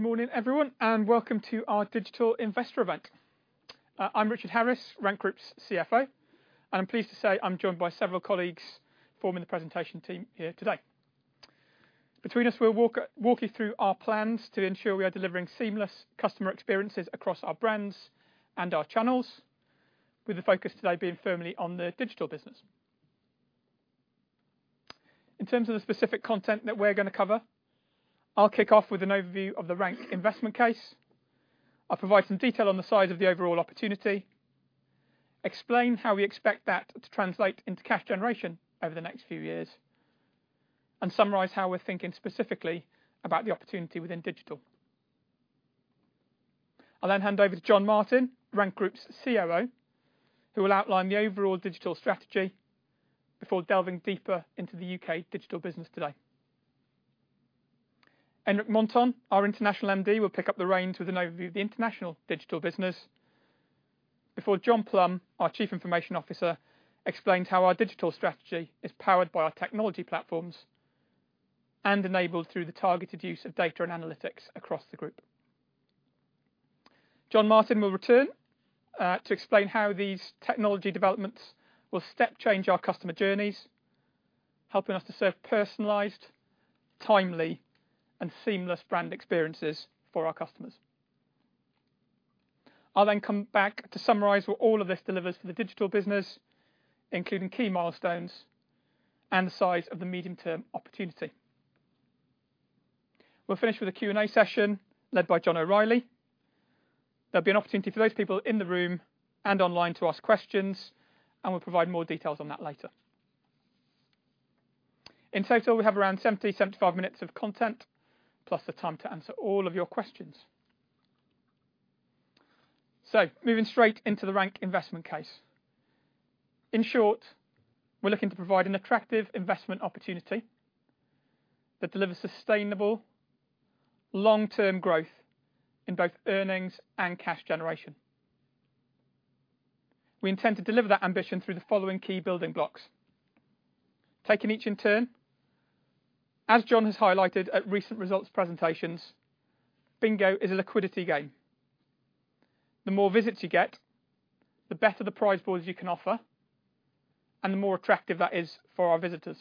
Good morning, everyone, and welcome to our digital investor event. I'm Richard Harris, Rank Group's CFO, and I'm pleased to say I'm joined by several colleagues forming the presentation team here today. Between us, we'll walk you through our plans to ensure we are delivering seamless customer experiences across our brands and our channels, with the focus today being firmly on the digital business. In terms of the specific content that we're going to cover, I'll kick off with an overview of the Rank investment case. I'll provide some detail on the size of the overall opportunity, explain how we expect that to translate into cash generation over the next few years, and summarize how we're thinking specifically about the opportunity within digital. I'll then hand over to Jon Martin, Rank Group's COO, who will outline the overall digital strategy before delving deeper into the U.K. digital business today. Enric Monton, our international MD, will pick up the reins with an overview of the international digital business, before Jonathan Plumb, our Chief Information Officer, explains how our digital strategy is powered by our technology platforms and enabled through the targeted use of data and analytics across the group. Jon Martin will return to explain how these technology developments will step change our customer journeys, helping us to serve personalized, timely, and seamless brand experiences for our customers. I'll then come back to summarize what all of this delivers for the digital business, including key milestones and the size of the medium-term opportunity. We'll finish with a Q&A session led by John O'Reilly. There'll be an opportunity for those people in the room and online to ask questions, and we'll provide more details on that later. In total, we have around 70-75 minutes of content, plus the time to answer all of your questions. So moving straight into the Rank investment case. In short, we're looking to provide an attractive investment opportunity that delivers sustainable, long-term growth in both earnings and cash generation. We intend to deliver that ambition through the following key building blocks. Taking each in turn, as John has highlighted at recent results presentations, bingo is a liquidity game. The more visits you get, the better the prize pools you can offer and the more attractive that is for our visitors.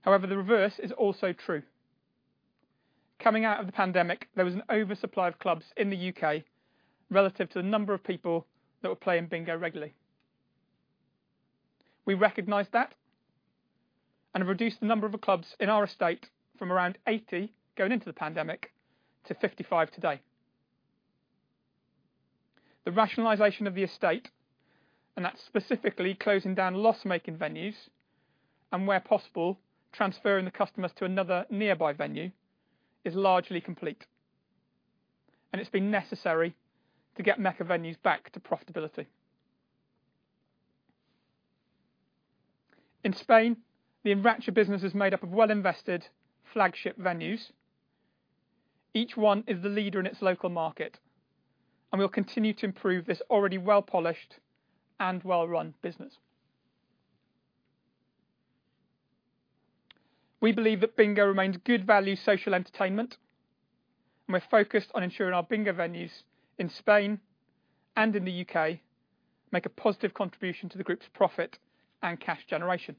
However, the reverse is also true. Coming out of the pandemic, there was an oversupply of clubs in the U.K. relative to the number of people that were playing bingo regularly. We recognized that and reduced the number of clubs in our estate from around 80 going into the pandemic to 55 today. The rationalization of the estate, and that's specifically closing down loss-making venues, and where possible, transferring the customers to another nearby venue, is largely complete, and it's been necessary to get Mecca venues back to profitability. In Spain, the Enracha business is made up of well-invested flagship venues. Each one is the leader in its local market, and we will continue to improve this already well-polished and well-run business. We believe that bingo remains good value social entertainment, and we're focused on ensuring our bingo venues in Spain and in the U.K. make a positive contribution to the group's profit and cash generation.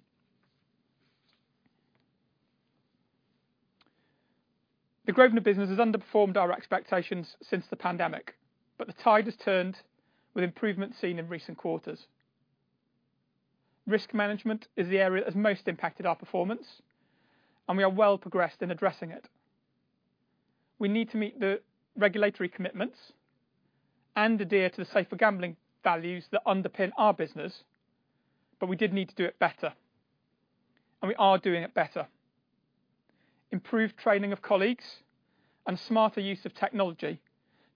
The Grosvenor business has underperformed our expectations since the pandemic, but the tide has turned with improvement seen in recent quarters. Risk management is the area that has most impacted our performance, and we are well progressed in addressing it. We need to meet the regulatory commitments and adhere to the safer gambling values that underpin our business, but we did need to do it better, and we are doing it better. Improved training of colleagues and smarter use of technology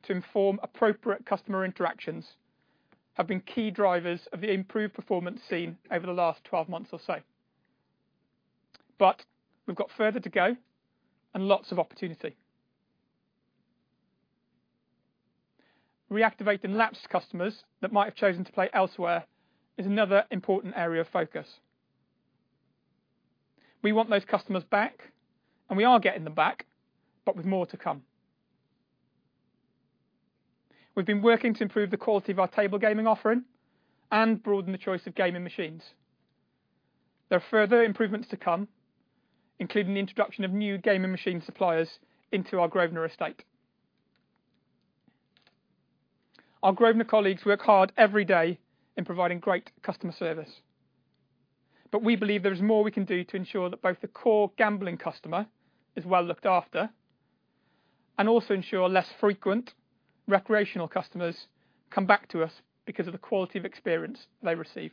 to inform appropriate customer interactions have been key drivers of the improved performance seen over the last 12 months or so. But we've got further to go and lots of opportunity. Reactivating lapsed customers that might have chosen to play elsewhere is another important area of focus. We want those customers back, and we are getting them back, but with more to come. We've been working to improve the quality of our table gaming offering and broaden the choice of gaming machines. There are further improvements to come, including the introduction of new gaming machine suppliers into our Grosvenor estate. Our Grosvenor colleagues work hard every day in providing great customer service, but we believe there is more we can do to ensure that both the core gambling customer is well looked after and also ensure less frequent recreational customers come back to us because of the quality of experience they receive.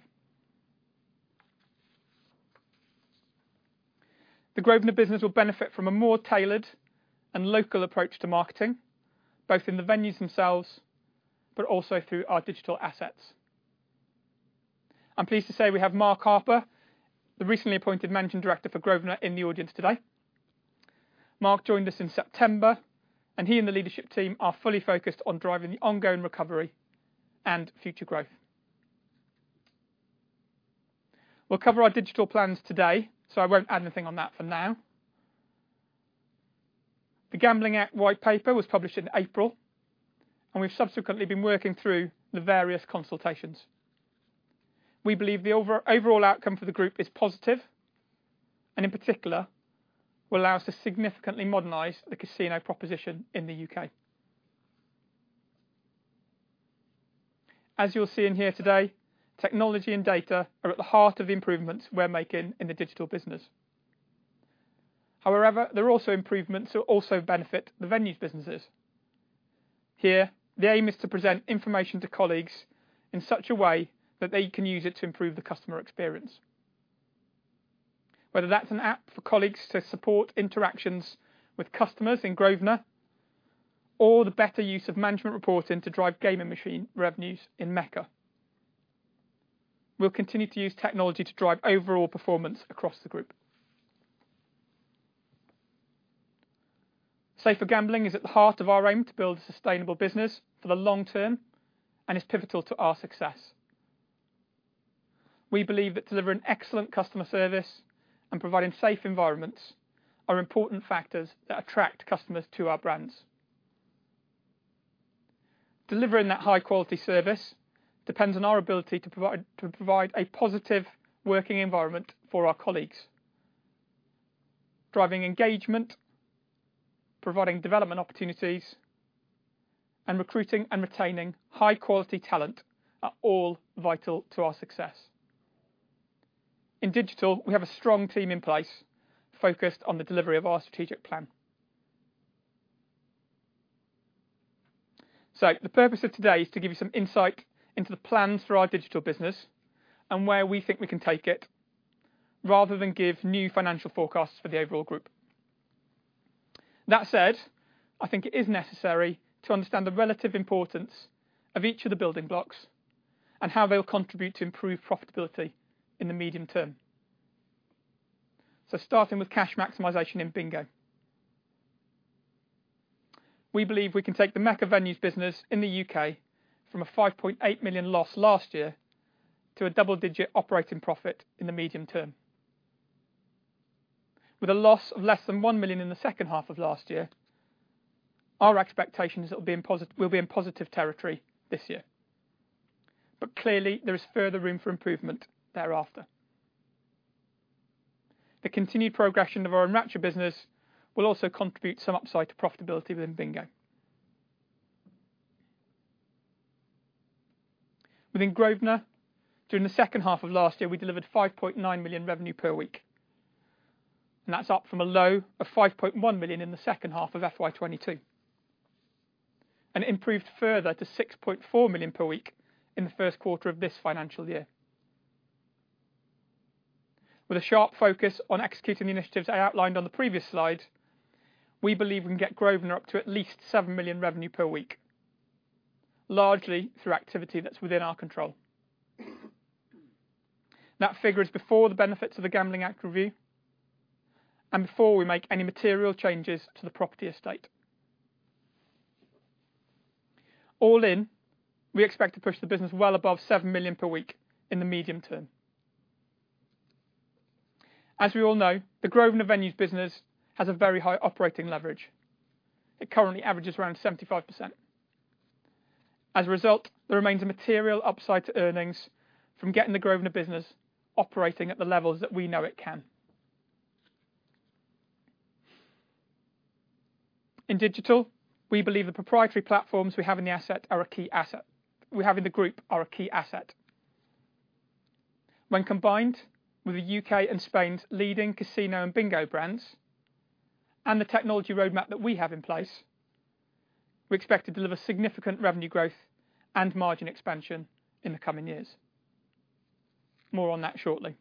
The Grosvenor business will benefit from a more tailored and local approach to marketing, both in the venues themselves, but also through our digital assets. I'm pleased to say we have Mark Harper, the recently appointed Managing Director for Grosvenor, in the audience today. Mark joined us in September, and he and the leadership team are fully focused on driving the ongoing recovery and future growth. We'll cover our digital plans today, so I won't add anything on that for now. The Gambling Act White Paper was published in April, and we've subsequently been working through the various consultations. We believe the overall outcome for the group is positive, and in particular, will allow us to significantly modernize the casino proposition in the U.K. As you'll see in here today, technology and data are at the heart of the improvements we're making in the digital business. However, there are also improvements that will also benefit the venues businesses. Here, the aim is to present information to colleagues in such a way that they can use it to improve the customer experience. Whether that's an app for colleagues to support interactions with customers in Grosvenor, or the better use of management reporting to drive gaming machine revenues in Mecca. We'll continue to use technology to drive overall performance across the group. Safer gambling is at the heart of our aim to build a sustainable business for the long term and is pivotal to our success. We believe that delivering excellent customer service and providing safe environments are important factors that attract customers to our brands. Delivering that high-quality service depends on our ability to provide a positive working environment for our colleagues. Driving engagement, providing development opportunities, and recruiting and retaining high-quality talent are all vital to our success. In digital, we have a strong team in place focused on the delivery of our strategic plan. So the purpose of today is to give you some insight into the plans for our digital business and where we think we can take it, rather than give new financial forecasts for the overall group. That said, I think it is necessary to understand the relative importance of each of the building blocks and how they will contribute to improved profitability in the medium term. So starting with cash maximization in Bingo. We believe we can take the Mecca venues business in the U.K. from a 5.8 million loss last year to a double-digit operating profit in the medium term. With a loss of less than 1 million in the second half of last year, our expectation is it will be in positive territory this year. But clearly, there is further room for improvement thereafter. The continued progression of our Enracha business will also contribute some upside to profitability within Bingo. Within Grosvenor, during the second half of last year, we delivered 5.9 million revenue per week, and that's up from a low of 5.1 million in the second half of FY 2022. Improved further to 6.4 million per week in the first quarter of this financial year. With a sharp focus on executing the initiatives I outlined on the previous slide, we believe we can get Grosvenor up to at least 7 million revenue per week, largely through activity that's within our control. That figure is before the benefits of the Gambling Act review and before we make any material changes to the property estate. All in, we expect to push the business well above 7 million per week in the medium term. As we all know, the Grosvenor Venues business has a very high operating leverage. It currently averages around 75%. As a result, there remains a material upside to earnings from getting the Grosvenor business operating at the levels that we know it can. In digital, we believe the proprietary platforms we have in the asset are a key asset we have in the group are a key asset. When combined with the U.K. and Spain's leading casino and bingo brands and the technology roadmap that we have in place, we expect to deliver significant revenue growth and margin expansion in the coming years. More on that shortly.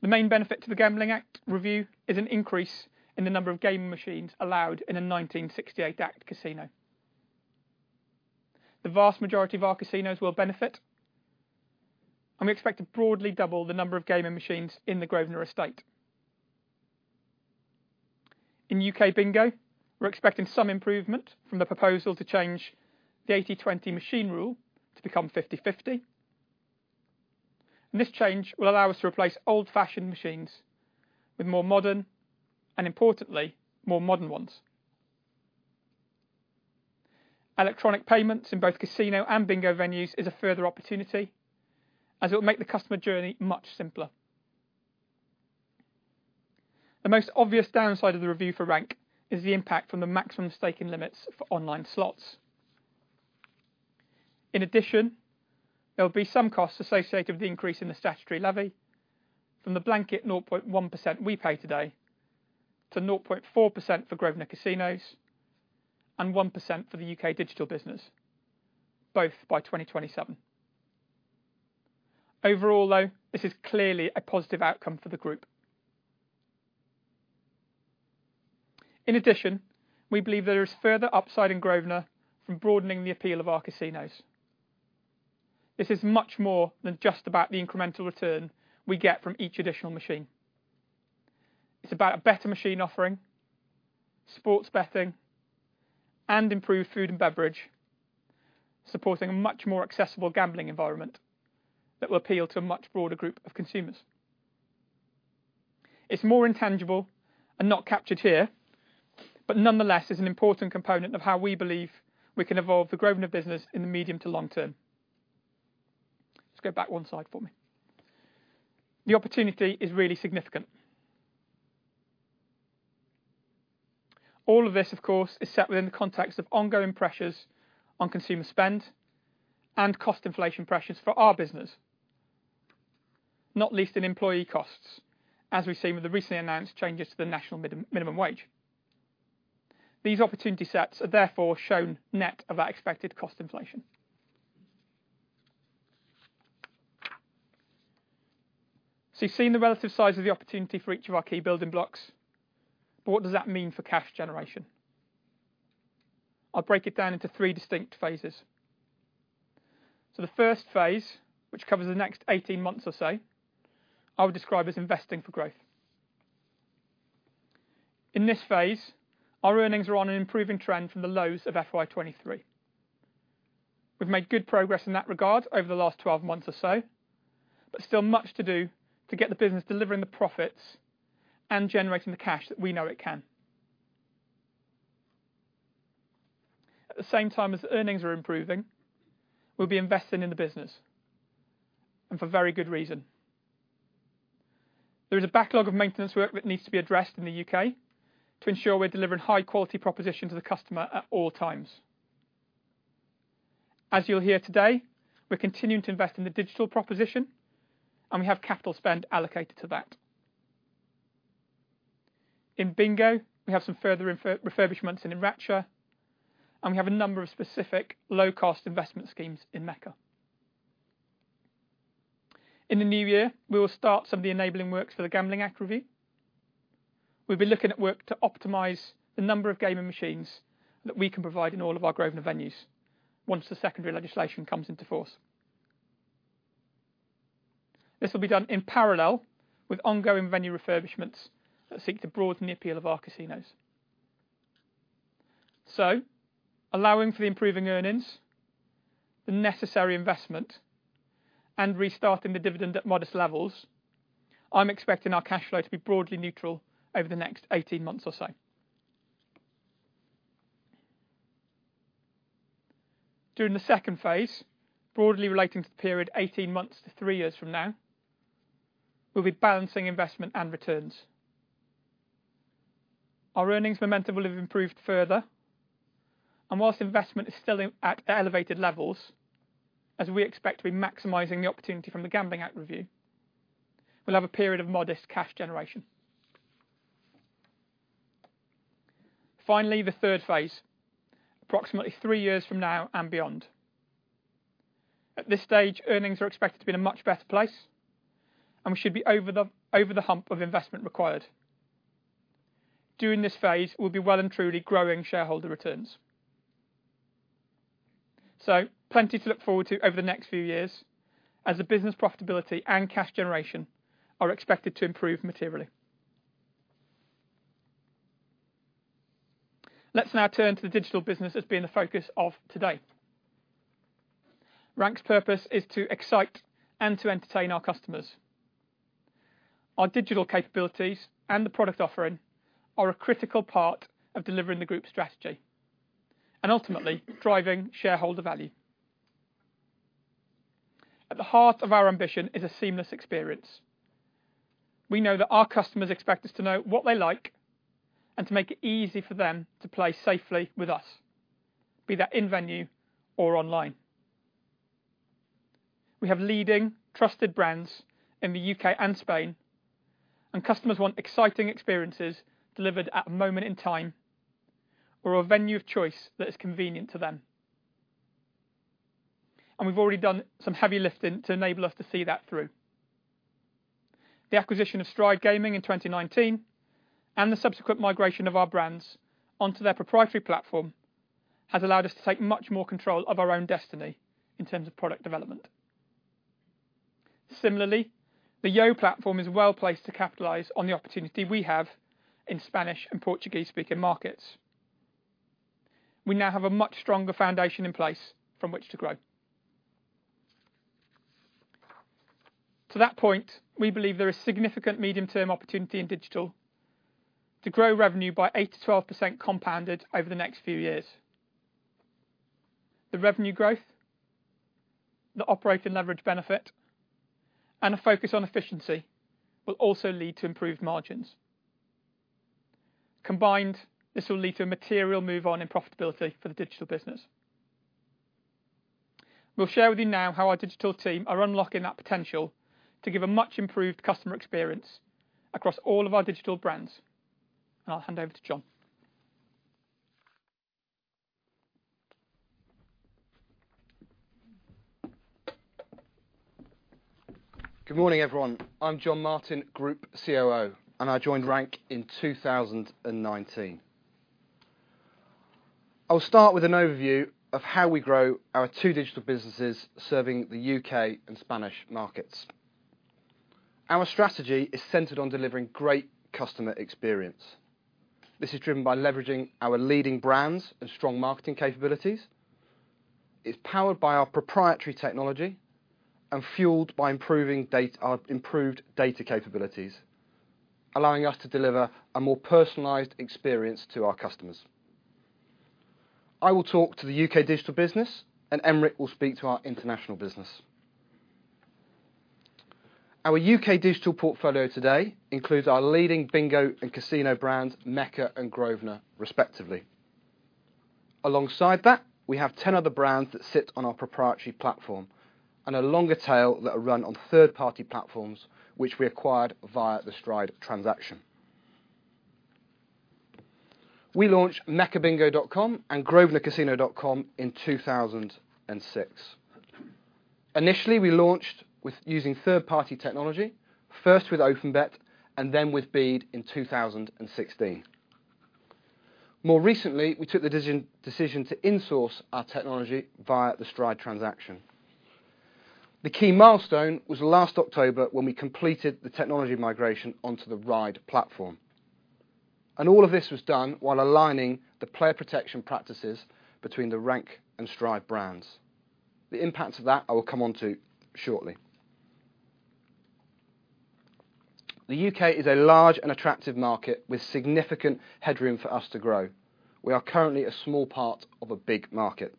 The main benefit to the Gambling Act review is an increase in the number of gaming machines allowed in a 1968 Act casino. The vast majority of our casinos will benefit, and we expect to broadly double the number of gaming machines in the Grosvenor estate. In U.K. Bingo, we're expecting some improvement from the proposal to change the 80/20 machine rule to become 50/50. This change will allow us to replace old-fashioned machines with more modern, and importantly, more modern ones. Electronic payments in both casino and bingo venues is a further opportunity, as it will make the customer journey much simpler. The most obvious downside of the review for Rank is the impact from the maximum staking limits for online slots. In addition, there will be some costs associated with the increase in the statutory levy from the blanket 0.1% we pay today to 0.4% for Grosvenor Casinos and 1% for the U.K. digital business, both by 2027. Overall, though, this is clearly a positive outcome for the group. In addition, we believe there is further upside in Grosvenor from broadening the appeal of our casinos. This is much more than just about the incremental return we get from each additional machine.... It's about a better machine offering, sports betting, and improved food and beverage, supporting a much more accessible gambling environment that will appeal to a much broader group of consumers. It's more intangible and not captured here, but nonetheless, is an important component of how we believe we can evolve the Grosvenor business in the medium to long term. Just go back one slide for me. The opportunity is really significant. All of this, of course, is set within the context of ongoing pressures on consumer spend and cost inflation pressures for our business, not least in employee costs, as we've seen with the recently announced changes to the National Minimum Wage. These opportunity sets are therefore shown net of our expected cost inflation. So you've seen the relative size of the opportunity for each of our key building blocks, but what does that mean for cash generation? I'll break it down into three distinct phases. So the first phase, which covers the next 18 months or so, I would describe as investing for growth. In this phase, our earnings are on an improving trend from the lows of FY 2023. We've made good progress in that regard over the last 12 months or so, but still much to do to get the business delivering the profits and generating the cash that we know it can. At the same time as earnings are improving, we'll be investing in the business, and for very good reason. There is a backlog of maintenance work that needs to be addressed in the U.K. to ensure we're delivering high-quality proposition to the customer at all times. As you'll hear today, we're continuing to invest in the digital proposition, and we have capital spend allocated to that. In Bingo, we have some further refurbishments in Enracha, and we have a number of specific low-cost investment schemes in Mecca. In the new year, we will start some of the enabling works for the Gambling Act review. We'll be looking at work to optimize the number of gaming machines that we can provide in all of our Grosvenor venues once the secondary legislation comes into force. This will be done in parallel with ongoing venue refurbishments that seek to broaden the appeal of our casinos. So allowing for the improving earnings, the necessary investment, and restarting the dividend at modest levels, I'm expecting our cash flow to be broadly neutral over the next 18 months or so. During the second phase, broadly relating to the period 18 months to three years from now, we'll be balancing investment and returns. Our earnings momentum will have improved further, and while investment is still in, at elevated levels, as we expect to be maximizing the opportunity from the Gambling Act review, we'll have a period of modest cash generation. Finally, the third phase, approximately three years from now and beyond. At this stage, earnings are expected to be in a much better place, and we should be over the hump of investment required. During this phase, we'll be well and truly growing shareholder returns. So plenty to look forward to over the next few years as the business profitability and cash generation are expected to improve materially. Let's now turn to the digital business that's been the focus of today. Rank's purpose is to excite and to entertain our customers. Our digital capabilities and the product offering are a critical part of delivering the group's strategy and ultimately driving shareholder value. At the heart of our ambition is a seamless experience. We know that our customers expect us to know what they like and to make it easy for them to play safely with us, be that in venue or online. We have leading, trusted brands in the U.K. and Spain, and customers want exciting experiences delivered at a moment in time or a venue of choice that is convenient to them. We've already done some heavy lifting to enable us to see that through. The acquisition of Stride Gaming in 2019 and the subsequent migration of our brands onto their proprietary platform has allowed us to take much more control of our own destiny in terms of product development. Similarly, the Yo platform is well placed to capitalize on the opportunity we have in Spanish and Portuguese-speaking markets. We now have a much stronger foundation in place from which to grow. To that point, we believe there is significant medium-term opportunity in digital to grow revenue by 8%-12% compounded over the next few years. The revenue growth, the operating leverage benefit, and a focus on efficiency will also lead to improved margins. Combined, this will lead to a material move on in profitability for the digital business. We'll share with you now how our digital team are unlocking that potential to give a much-improved customer experience across all of our digital brands, and I'll hand over to Jon. Good morning, everyone. I'm Jon Martin, Group COO, and I joined Rank in 2019. I'll start with an overview of how we grow our two digital businesses serving the U.K. and Spanish markets. Our strategy is centered on delivering great customer experience. This is driven by leveraging our leading brands and strong marketing capabilities. It's powered by our proprietary technology, and fueled by improving data, our improved data capabilities, allowing us to deliver a more personalized experience to our customers. I will talk to the U.K. digital business, and Enric will speak to our international business. Our U.K. digital portfolio today includes our leading bingo and casino brands, Mecca and Grosvenor, respectively. Alongside that, we have 10 other brands that sit on our proprietary platform, and a longer tail that are run on third-party platforms, which we acquired via the Stride transaction. We launched meccabingo.com and grosvenorcasinos.com in 2006. Initially, we launched with using third-party technology, first with OpenBet, and then with Bede in 2016. More recently, we took the decision to insource our technology via the Stride transaction. The key milestone was last October, when we completed the technology migration onto the RIDE platform, and all of this was done while aligning the player protection practices between the Rank and Stride brands. The impact of that I will come on to shortly. The U.K. is a large and attractive market with significant headroom for us to grow. We are currently a small part of a big market.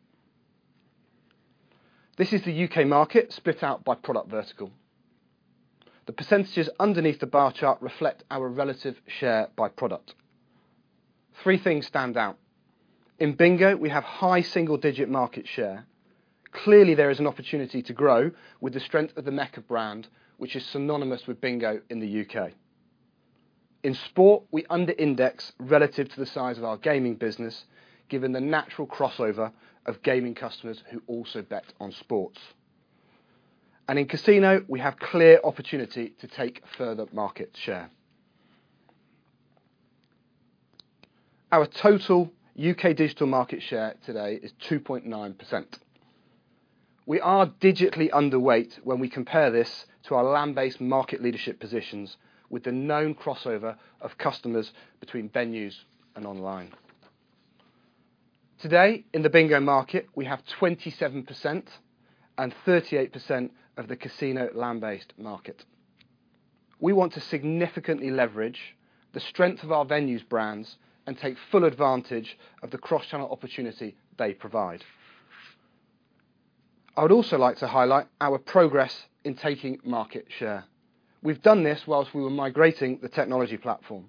This is the U.K. market split out by product vertical. The percentages underneath the bar chart reflect our relative share by product. Three things stand out. In bingo, we have high single-digit market share. Clearly, there is an opportunity to grow with the strength of the Mecca brand, which is synonymous with bingo in the U.K.. In sport, we underindex relative to the size of our gaming business, given the natural crossover of gaming customers who also bet on sports. In casino, we have clear opportunity to take further market share. Our total U.K. digital market share today is 2.9%. We are digitally underweight when we compare this to our land-based market leadership positions, with the known crossover of customers between venues and online. Today, in the bingo market, we have 27% and 38% of the casino land-based market. We want to significantly leverage the strength of our venues brands and take full advantage of the cross-channel opportunity they provide. I would also like to highlight our progress in taking market share. We've done this while we were migrating the technology platform.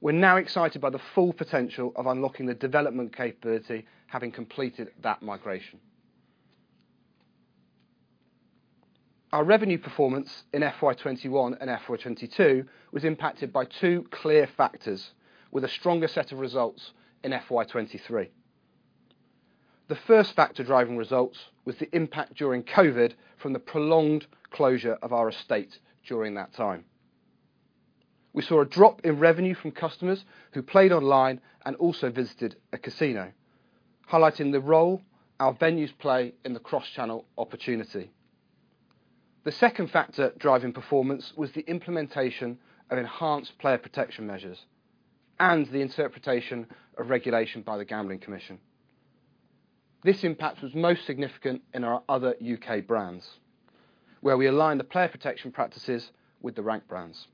We're now excited by the full potential of unlocking the development capability, having completed that migration. Our revenue performance in FY 2021 and FY 2022 was impacted by two clear factors, with a stronger set of results in FY 2023. The first factor driving results was the impact during COVID from the prolonged closure of our estate during that time. We saw a drop in revenue from customers who played online and also visited a casino, highlighting the role our venues play in the cross-channel opportunity. The second factor driving performance was the implementation of enhanced player protection measures and the interpretation of regulation by the Gambling Commission. This impact was most significant in our other U.K. brands, where we align the player protection practices with the Rank brands.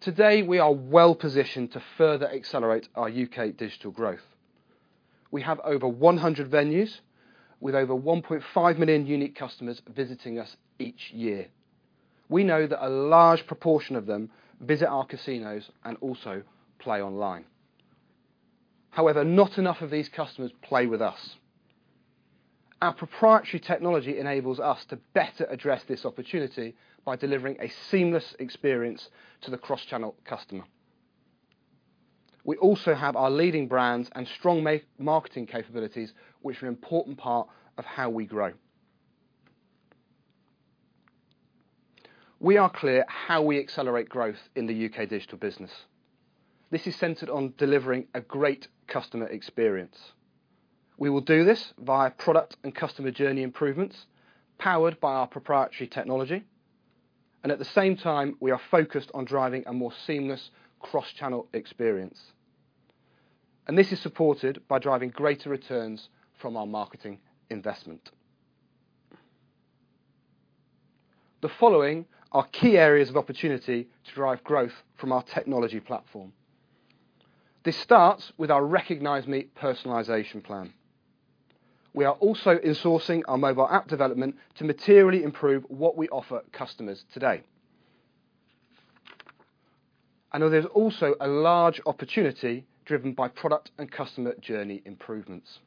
Today, we are well positioned to further accelerate our U.K. digital growth. We have over 100 venues, with over 1.5 million unique customers visiting us each year. We know that a large proportion of them visit our casinos and also play online. However, not enough of these customers play with us. Our proprietary technology enables us to better address this opportunity by delivering a seamless experience to the cross-channel customer. We also have our leading brands and strong marketing capabilities, which are an important part of how we grow. We are clear how we accelerate growth in the U.K. digital business. This is centered on delivering a great customer experience. We will do this via product and customer journey improvements, powered by our proprietary technology, and at the same time, we are focused on driving a more seamless cross-channel experience. This is supported by driving greater returns from our marketing investment. The following are key areas of opportunity to drive growth from our technology platform. This starts with our Recognise Me personalization plan. We are also insourcing our mobile app development to materially improve what we offer customers today. I know there's also a large opportunity driven by product and customer journey improvements.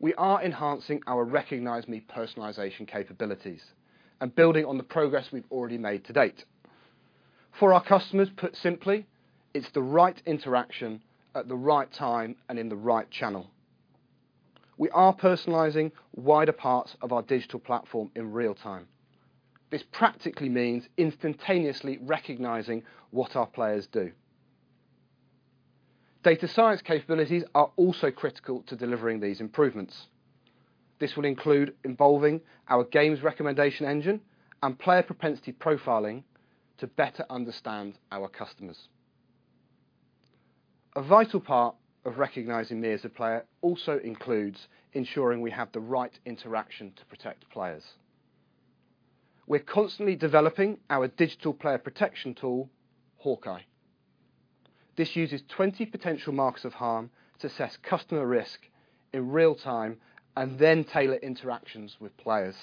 We are enhancing our Recognise Me personalization capabilities and building on the progress we've already made to date. For our customers, put simply, it's the right interaction at the right time and in the right channel. We are personalizing wider parts of our digital platform in real time. This practically means instantaneously recognizing what our players do. Data science capabilities are also critical to delivering these improvements. This will include involving our games recommendation engine and player propensity profiling to better understand our customers. A vital part of recognizing me as a player also includes ensuring we have the right interaction to protect players. We're constantly developing our digital player protection tool, Hawkeye. This uses 20 potential markers of harm to assess customer risk in real time, and then tailor interactions with players.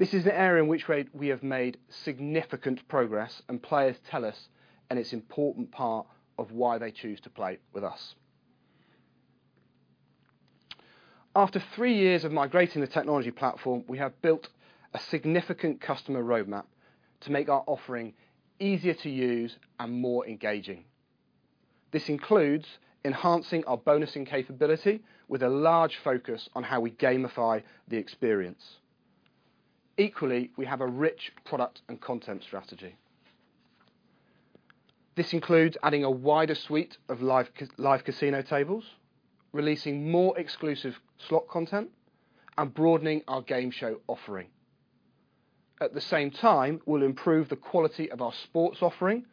This is an area in which we have made significant progress, and players tell us, and it's important part of why they choose to play with us. After three years of migrating the technology platform, we have built a significant customer roadmap to make our offering easier to use and more engaging. This includes enhancing our bonusing capability with a large focus on how we gamify the experience. Equally, we have a rich product and content strategy. This includes adding a wider suite of live casino tables, releasing more exclusive slot content, and broadening our game show offering. At the same time, we'll improve the quality of our sports offering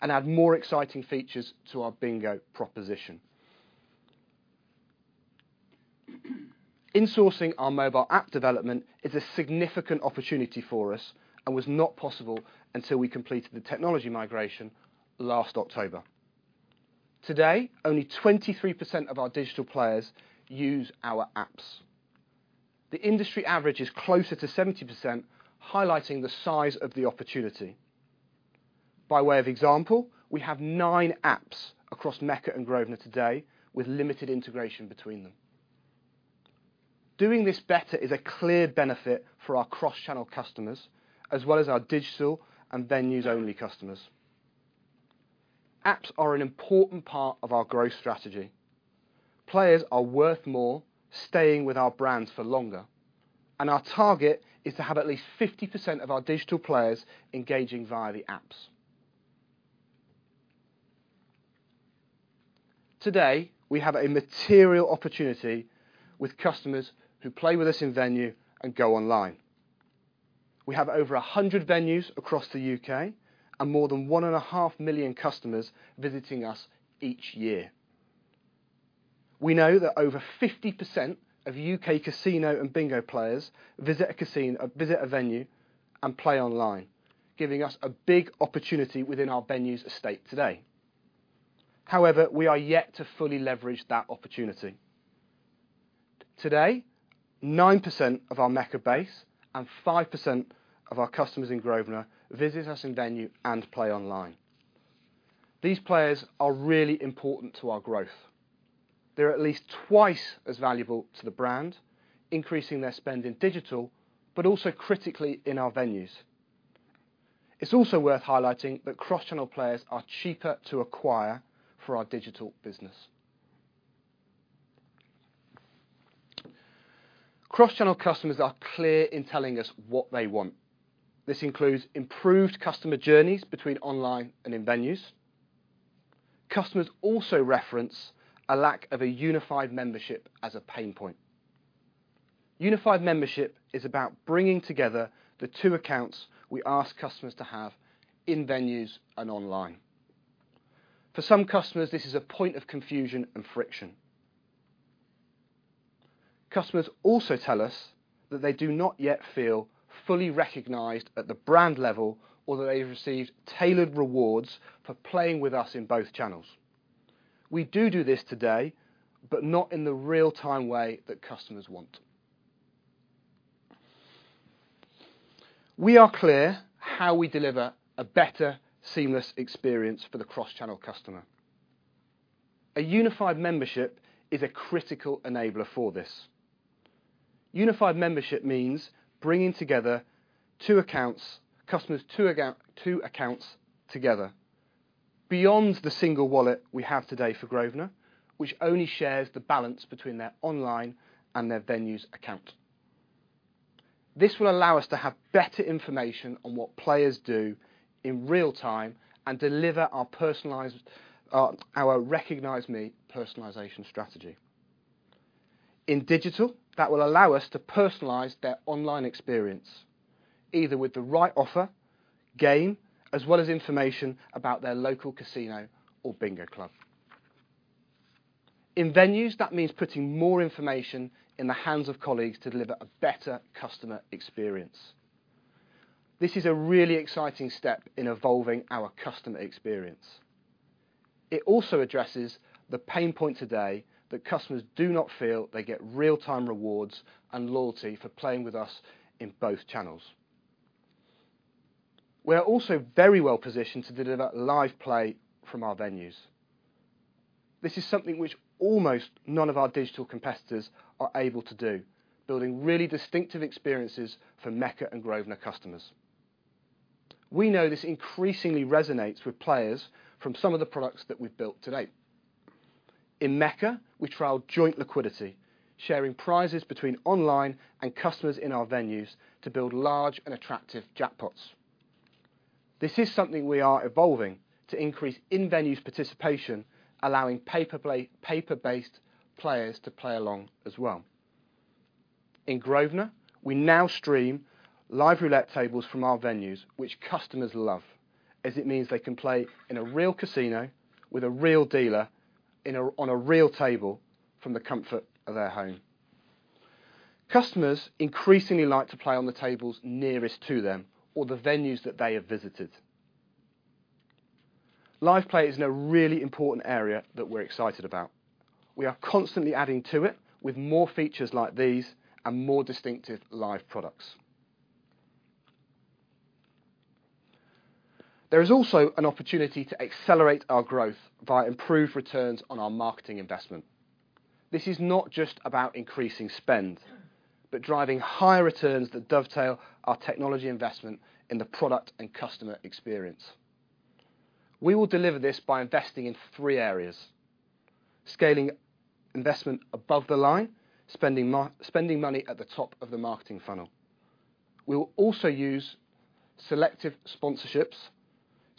and add more exciting features to our bingo proposition. Insourcing our mobile app development is a significant opportunity for us and was not possible until we completed the technology migration last October. Today, only 23% of our digital players use our apps. The industry average is closer to 70%, highlighting the size of the opportunity. By way of example, we have nine apps across Mecca and Grosvenor today, with limited integration between them. Doing this better is a clear benefit for our cross-channel customers, as well as our digital and venues-only customers. Apps are an important part of our growth strategy. Players are worth more, staying with our brands for longer, and our target is to have at least 50% of our digital players engaging via the apps. Today, we have a material opportunity with customers who play with us in-venue and go online. We have over 100 venues across the U.K. and more than 1.5 million customers visiting us each year. We know that over 50% of U.K. casino and bingo players visit a venue and play online, giving us a big opportunity within our venues estate today. However, we are yet to fully leverage that opportunity. Today, 9% of our Mecca base and 5% of our customers in Grosvenor visit us in-venue and play online. These players are really important to our growth. They're at least twice as valuable to the brand, increasing their spend in digital, but also critically in our venues. It's also worth highlighting that cross-channel players are cheaper to acquire for our digital business. Cross-channel customers are clear in telling us what they want. This includes improved customer journeys between online and in venues. Customers also reference a lack of a unified membership as a pain point. Unified membership is about bringing together the two accounts we ask customers to have in venues and online. For some customers, this is a point of confusion and friction. Customers also tell us that they do not yet feel fully recognized at the brand level, or that they receive tailored rewards for playing with us in both channels. We do do this today, but not in the real-time way that customers want. We are clear how we deliver a better, seamless experience for the cross-channel customer. A unified membership is a critical enabler for this. Unified membership means bringing together two accounts—customers' two accounts together. Beyond the single wallet we have today for Grosvenor, which only shares the balance between their online and their venues account. This will allow us to have better information on what players do in real time and deliver our personalized, our Recognise Me personalization strategy. In digital, that will allow us to personalize their online experience, either with the right offer, game, as well as information about their local casino or bingo club. In venues, that means putting more information in the hands of colleagues to deliver a better customer experience. This is a really exciting step in evolving our customer experience. It also addresses the pain point today that customers do not feel they get real-time rewards and loyalty for playing with us in both channels. We are also very well positioned to deliver live play from our venues. This is something which almost none of our digital competitors are able to do, building really distinctive experiences for Mecca and Grosvenor customers. We know this increasingly resonates with players from some of the products that we've built today. In Mecca, we trialed joint liquidity, sharing prizes between online and customers in our venues to build large and attractive jackpots. This is something we are evolving to increase in-venue participation, allowing paper-based players to play along as well. In Grosvenor, we now stream live roulette tables from our venues, which customers love, as it means they can play in a real casino with a real dealer on a real table from the comfort of their home. Customers increasingly like to play on the tables nearest to them or the venues that they have visited. Live play is in a really important area that we're excited about. We are constantly adding to it with more features like these and more distinctive live products. There is also an opportunity to accelerate our growth via improved returns on our marketing investment. This is not just about increasing spend, but driving higher returns that dovetail our technology investment in the product and customer experience. We will deliver this by investing in three areas: scaling investment above the line, spending money at the top of the marketing funnel. We will also use selective sponsorships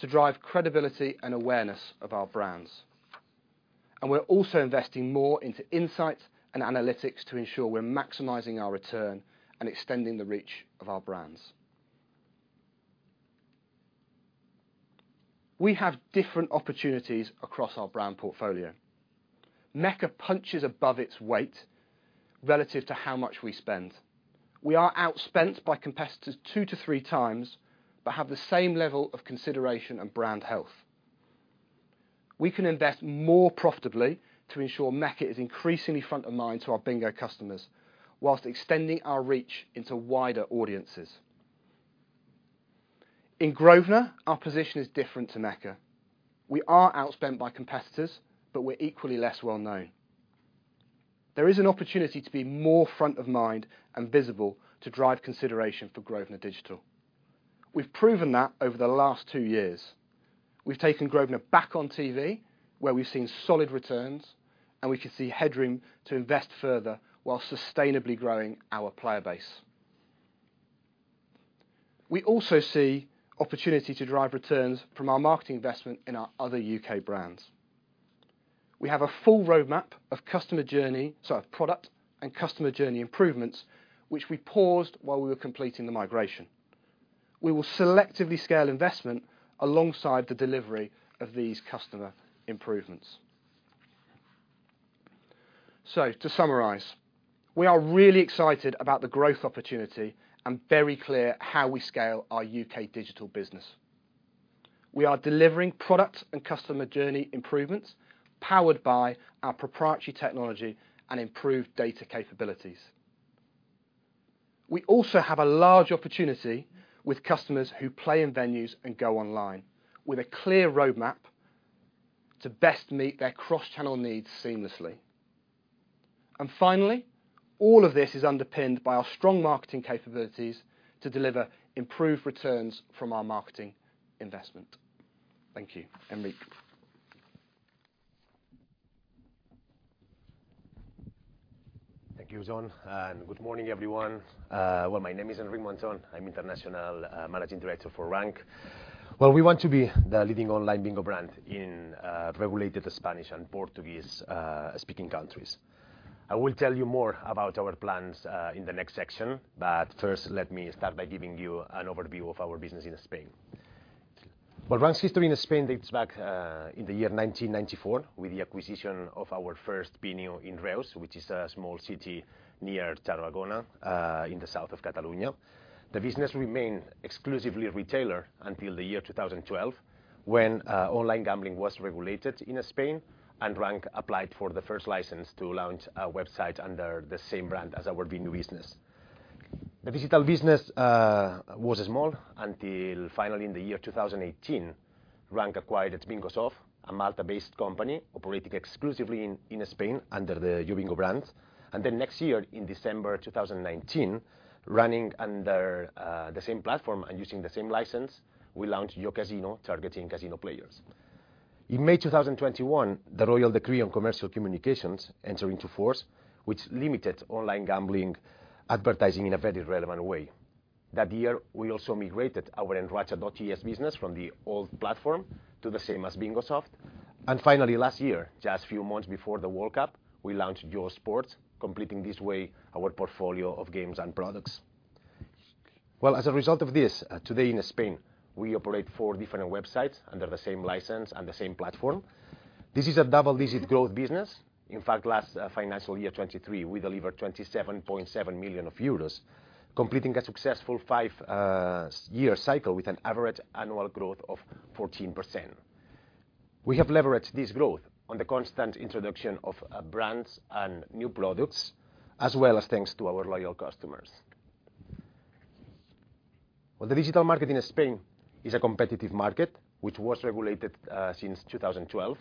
to drive credibility and awareness of our brands, and we're also investing more into insights and analytics to ensure we're maximizing our return and extending the reach of our brands. We have different opportunities across our brand portfolio. Mecca punches above its weight relative to how much we spend. We are outspent by competitors two to three times, but have the same level of consideration and brand health. We can invest more profitably to ensure Mecca is increasingly front of mind to our bingo customers, while extending our reach into wider audiences. In Grosvenor, our position is different to Mecca. We are outspent by competitors, but we're equally less well known. There is an opportunity to be more front of mind and visible to drive consideration for Grosvenor Digital. We've proven that over the last two years. We've taken Grosvenor back on TV, where we've seen solid returns, and we can see headroom to invest further while sustainably growing our player base. We also see opportunity to drive returns from our marketing investment in our other U.K. brands. We have a full roadmap of customer journey, sorry, of product and customer journey improvements, which we paused while we were completing the migration. We will selectively scale investment alongside the delivery of these customer improvements. So to summarize, we are really excited about the growth opportunity and very clear how we scale our U.K. digital business. We are delivering product and customer journey improvements, powered by our proprietary technology and improved data capabilities. We also have a large opportunity with customers who play in venues and go online, with a clear roadmap to best meet their cross-channel needs seamlessly. And finally, all of this is underpinned by our strong marketing capabilities to deliver improved returns from our marketing investment. Thank you. Enric? Thank you, Jon, and good morning, everyone. Well, my name is Enric Monton. I'm international managing director for Rank. Well, we want to be the leading online bingo brand in regulated Spanish and Portuguese speaking countries. I will tell you more about our plans in the next section, but first, let me start by giving you an overview of our business in Spain. Well, Rank's history in Spain dates back in the year 1994 with the acquisition of our first venue in Reus, which is a small city near Tarragona in the south of Catalunya. The business remained exclusively retail until the year 2012, when online gambling was regulated in Spain, and Rank applied for the first license to launch a website under the same brand as our bingo business. The digital business was small until finally in the year 2018, Rank acquired BingoSoft, a Malta-based company operating exclusively in Spain under the YoBingo brand. Then next year, in December 2019, running under the same platform and using the same license, we launched YoCasino, targeting casino players. In May 2021, the Royal Decree on Commercial Communications entered into force, which limited online gambling advertising in a very relevant way. That year, we also migrated our Enracha.es business from the old platform to the same as BingoSoft. And finally, last year, just a few months before the World Cup, we launched YoSports, completing this way our portfolio of games and products. Well, as a result of this, today in Spain, we operate four different websites under the same license and the same platform. This is a double-digit growth business. In fact, last financial year 2023, we delivered 27.7 million euros, completing a successful five-year cycle with an average annual growth of 14%. We have leveraged this growth on the constant introduction of brands and new products, as well as thanks to our loyal customers. Well, the digital market in Spain is a competitive market, which was regulated since 2012....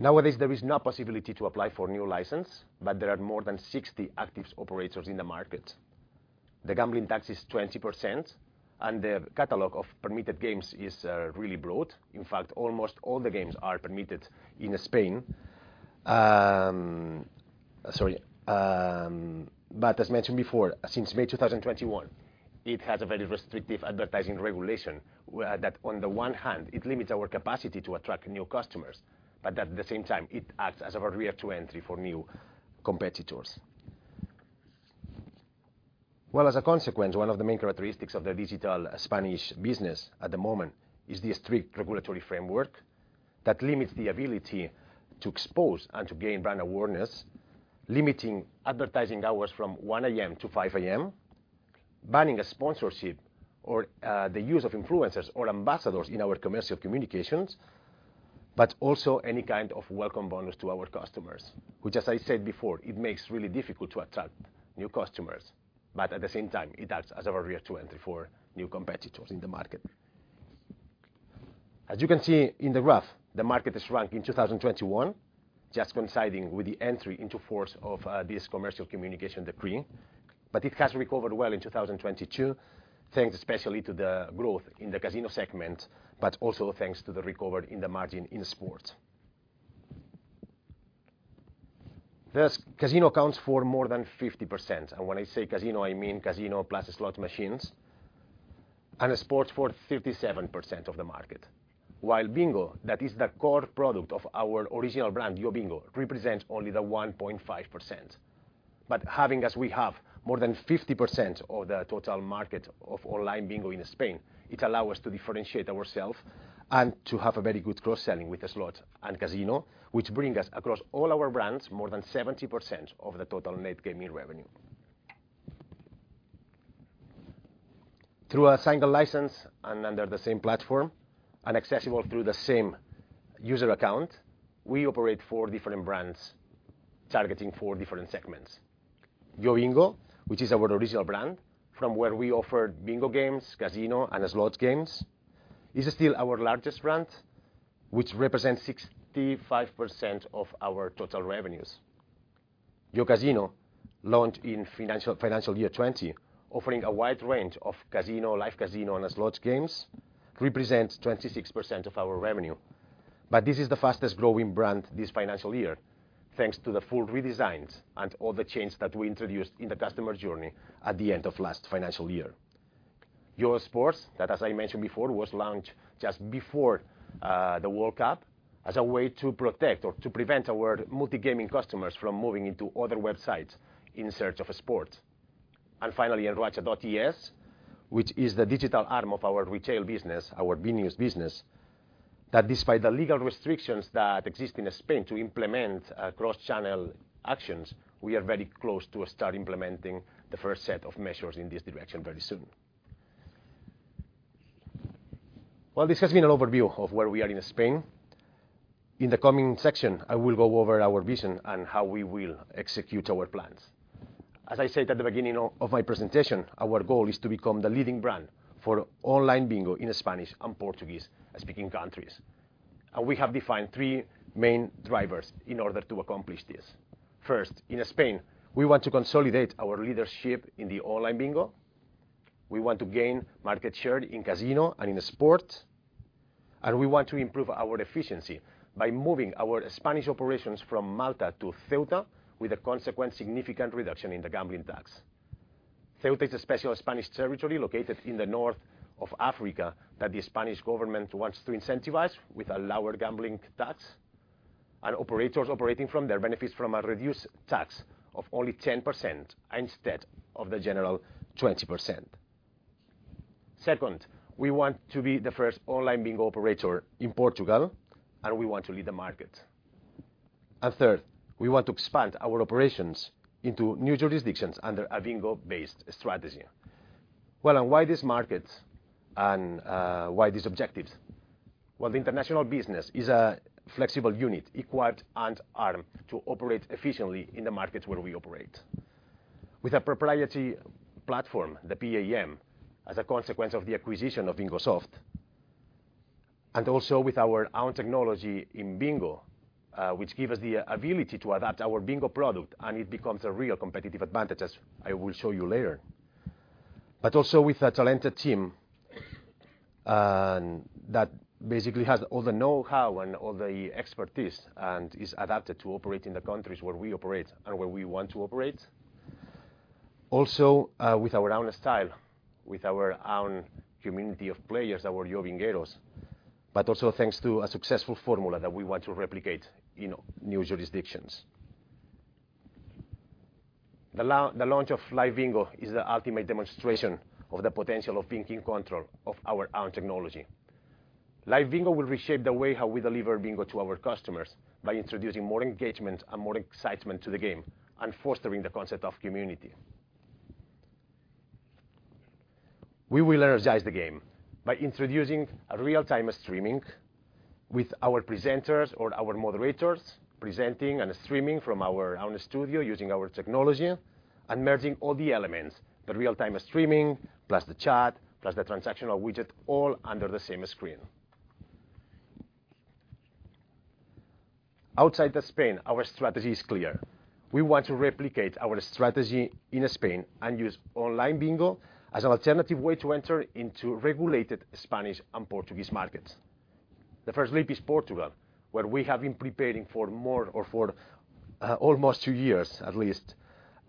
Nowadays, there is no possibility to apply for a new license, but there are more than 60 active operators in the market. The gambling tax is 20%, and the catalog of permitted games is really broad. In fact, almost all the games are permitted in Spain. But as mentioned before, since May 2021, it has a very restrictive advertising regulation, where that on the one hand, it limits our capacity to attract new customers, but at the same time, it acts as a barrier to entry for new competitors. Well, as a consequence, one of the main characteristics of the digital Spanish business at the moment is the strict regulatory framework that limits the ability to expose and to gain brand awareness, limiting advertising hours from 1:00 A.M. to 5:00 A.M., banning a sponsorship or the use of influencers or ambassadors in our commercial communications, but also any kind of welcome bonus to our customers, which, as I said before, it makes really difficult to attract new customers, but at the same time, it acts as a barrier to entry for new competitors in the market. As you can see in the graph, the market shrank in 2021, just coinciding with the entry into force of this commercial communication decree, but it has recovered well in 2022, thanks especially to the growth in the casino segment, but also thanks to the recovery in the margin in sports. Thus, casino accounts for more than 50%, and when I say casino, I mean casino plus slot machines, and sports for 37% of the market. While bingo, that is the core product of our original brand, YoBingo, represents only the 1.5%. But having, as we have, more than 50% of the total market of online bingo in Spain, it allow us to differentiate ourselves and to have a very good cross-selling with the slot and casino, which bring us across all our brands, more than 70% of the total net gaming revenue. Through a single license and under the same platform, and accessible through the same user account, we operate four different brands targeting four different segments. YoBingo, which is our original brand, from where we offer bingo games, casino, and slots games, is still our largest brand, which represents 65% of our total revenues. YoCasino, launched in financial year 2020, offering a wide range of casino, live casino, and slots games, represents 26% of our revenue. But this is the fastest-growing brand this financial year, thanks to the full redesigns and all the changes that we introduced in the customer journey at the end of last financial year. YoSports, that, as I mentioned before, was launched just before the World Cup as a way to protect or to prevent our multi-gaming customers from moving into other websites in search of a sport. And finally, Ruleta.es, which is the digital arm of our retail business, our bingos business, that despite the legal restrictions that exist in Spain to implement cross-channel actions, we are very close to start implementing the first set of measures in this direction very soon. Well, this has been an overview of where we are in Spain. In the coming section, I will go over our vision and how we will execute our plans. As I said at the beginning of my presentation, our goal is to become the leading brand for online bingo in Spanish and Portuguese-speaking countries, and we have defined three main drivers in order to accomplish this. First, in Spain, we want to consolidate our leadership in the online bingo. We want to gain market share in casino and in sports, and we want to improve our efficiency by moving our Spanish operations from Malta to Ceuta, with a consequent significant reduction in the gambling tax. Ceuta is a special Spanish territory located in the north of Africa, that the Spanish government wants to incentivize with a lower gambling tax, and operators operating from there benefits from a reduced tax of only 10% instead of the general 20%. Second, we want to be the first online bingo operator in Portugal, and we want to lead the market. And third, we want to expand our operations into new jurisdictions under a bingo-based strategy. Well, and why these markets, and, why these objectives? Well, the international business is a flexible unit, equipped and armed to operate efficiently in the markets where we operate. With a proprietary platform, the PAM, as a consequence of the acquisition of BingoSoft, and also with our own technology in bingo, which give us the ability to adapt our bingo product, and it becomes a real competitive advantage, as I will show you later. But also with a talented team, and that basically has all the know-how and all the expertise, and is adapted to operate in the countries where we operate and where we want to operate. Also, with our own style, with our own community of players, our Yobingueros, but also thanks to a successful formula that we want to replicate in new jurisdictions. The launch of Live Bingo is the ultimate demonstration of the potential of being in control of our own technology. Live Bingo will reshape the way how we deliver bingo to our customers by introducing more engagement and more excitement to the game and fostering the concept of community. We will energize the game by introducing a real-time streaming with our presenters or our moderators, presenting and streaming from our own studio using our technology... and merging all the elements, the real-time streaming, plus the chat, plus the transactional widget, all under the same screen. Outside of Spain, our strategy is clear. We want to replicate our strategy in Spain and use online bingo as an alternative way to enter into regulated Spanish and Portuguese markets. The first leap is Portugal, where we have been preparing for more or for almost two years, at least,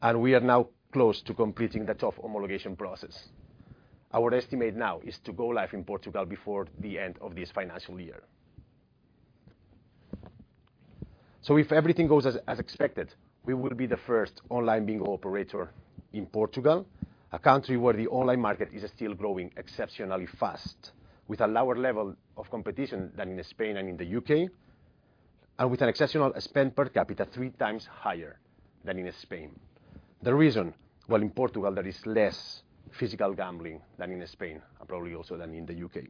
and we are now close to completing the tough homologation process. Our estimate now is to go live in Portugal before the end of this financial year. So if everything goes as expected, we will be the first online bingo operator in Portugal, a country where the online market is still growing exceptionally fast, with a lower level of competition than in Spain and in the U.K., and with an exceptional spend per capita three times higher than in Spain. The reason, well, in Portugal, there is less physical gambling than in Spain, and probably also than in the U.K.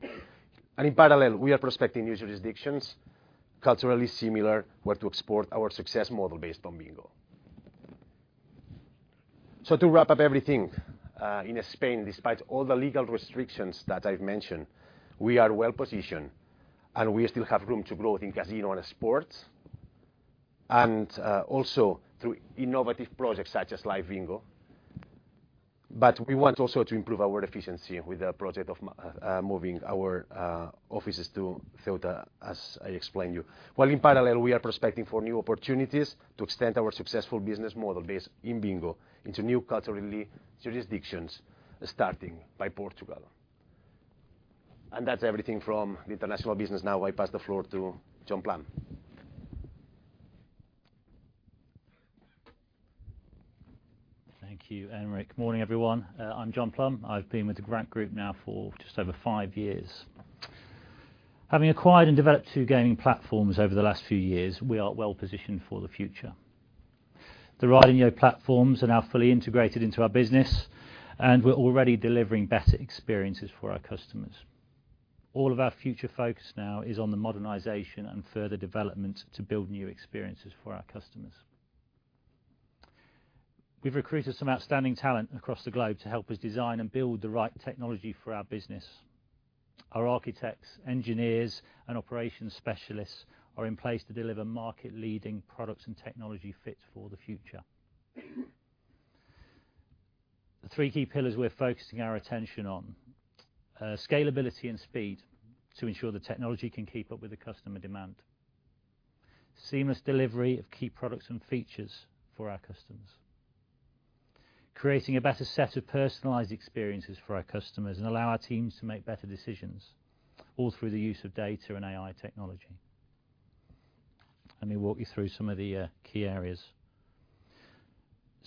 In parallel, we are prospecting new jurisdictions, culturally similar, where to export our success model based on bingo. To wrap up everything, in Spain, despite all the legal restrictions that I've mentioned, we are well-positioned, and we still have room to grow in casino and sports, and also through innovative projects such as Live Bingo. We want also to improve our efficiency with the project of moving our offices to Malta, as I explained to you. While in parallel, we are prospecting for new opportunities to extend our successful business model based in bingo into new culturally jurisdictions, starting by Portugal. That's everything from the international business. Now, I pass the floor to Jon Plumb. Thank you, Enric. Morning, everyone. I'm Jon Plumb. I've been with the Rank Group now for just over five years. Having acquired and developed two gaming platforms over the last few years, we are well positioned for the future. The RIDE and Yo platforms are now fully integrated into our business, and we're already delivering better experiences for our customers. All of our future focus now is on the modernization and further development to build new experiences for our customers. We've recruited some outstanding talent across the globe to help us design and build the right technology for our business. Our architects, engineers, and operations specialists are in place to deliver market-leading products and technology fit for the future. The three key pillars we're focusing our attention on, scalability and speed to ensure the technology can keep up with the customer demand, seamless delivery of key products and features for our customers, creating a better set of personalized experiences for our customers and allow our teams to make better decisions, all through the use of data and AI technology. Let me walk you through some of the key areas.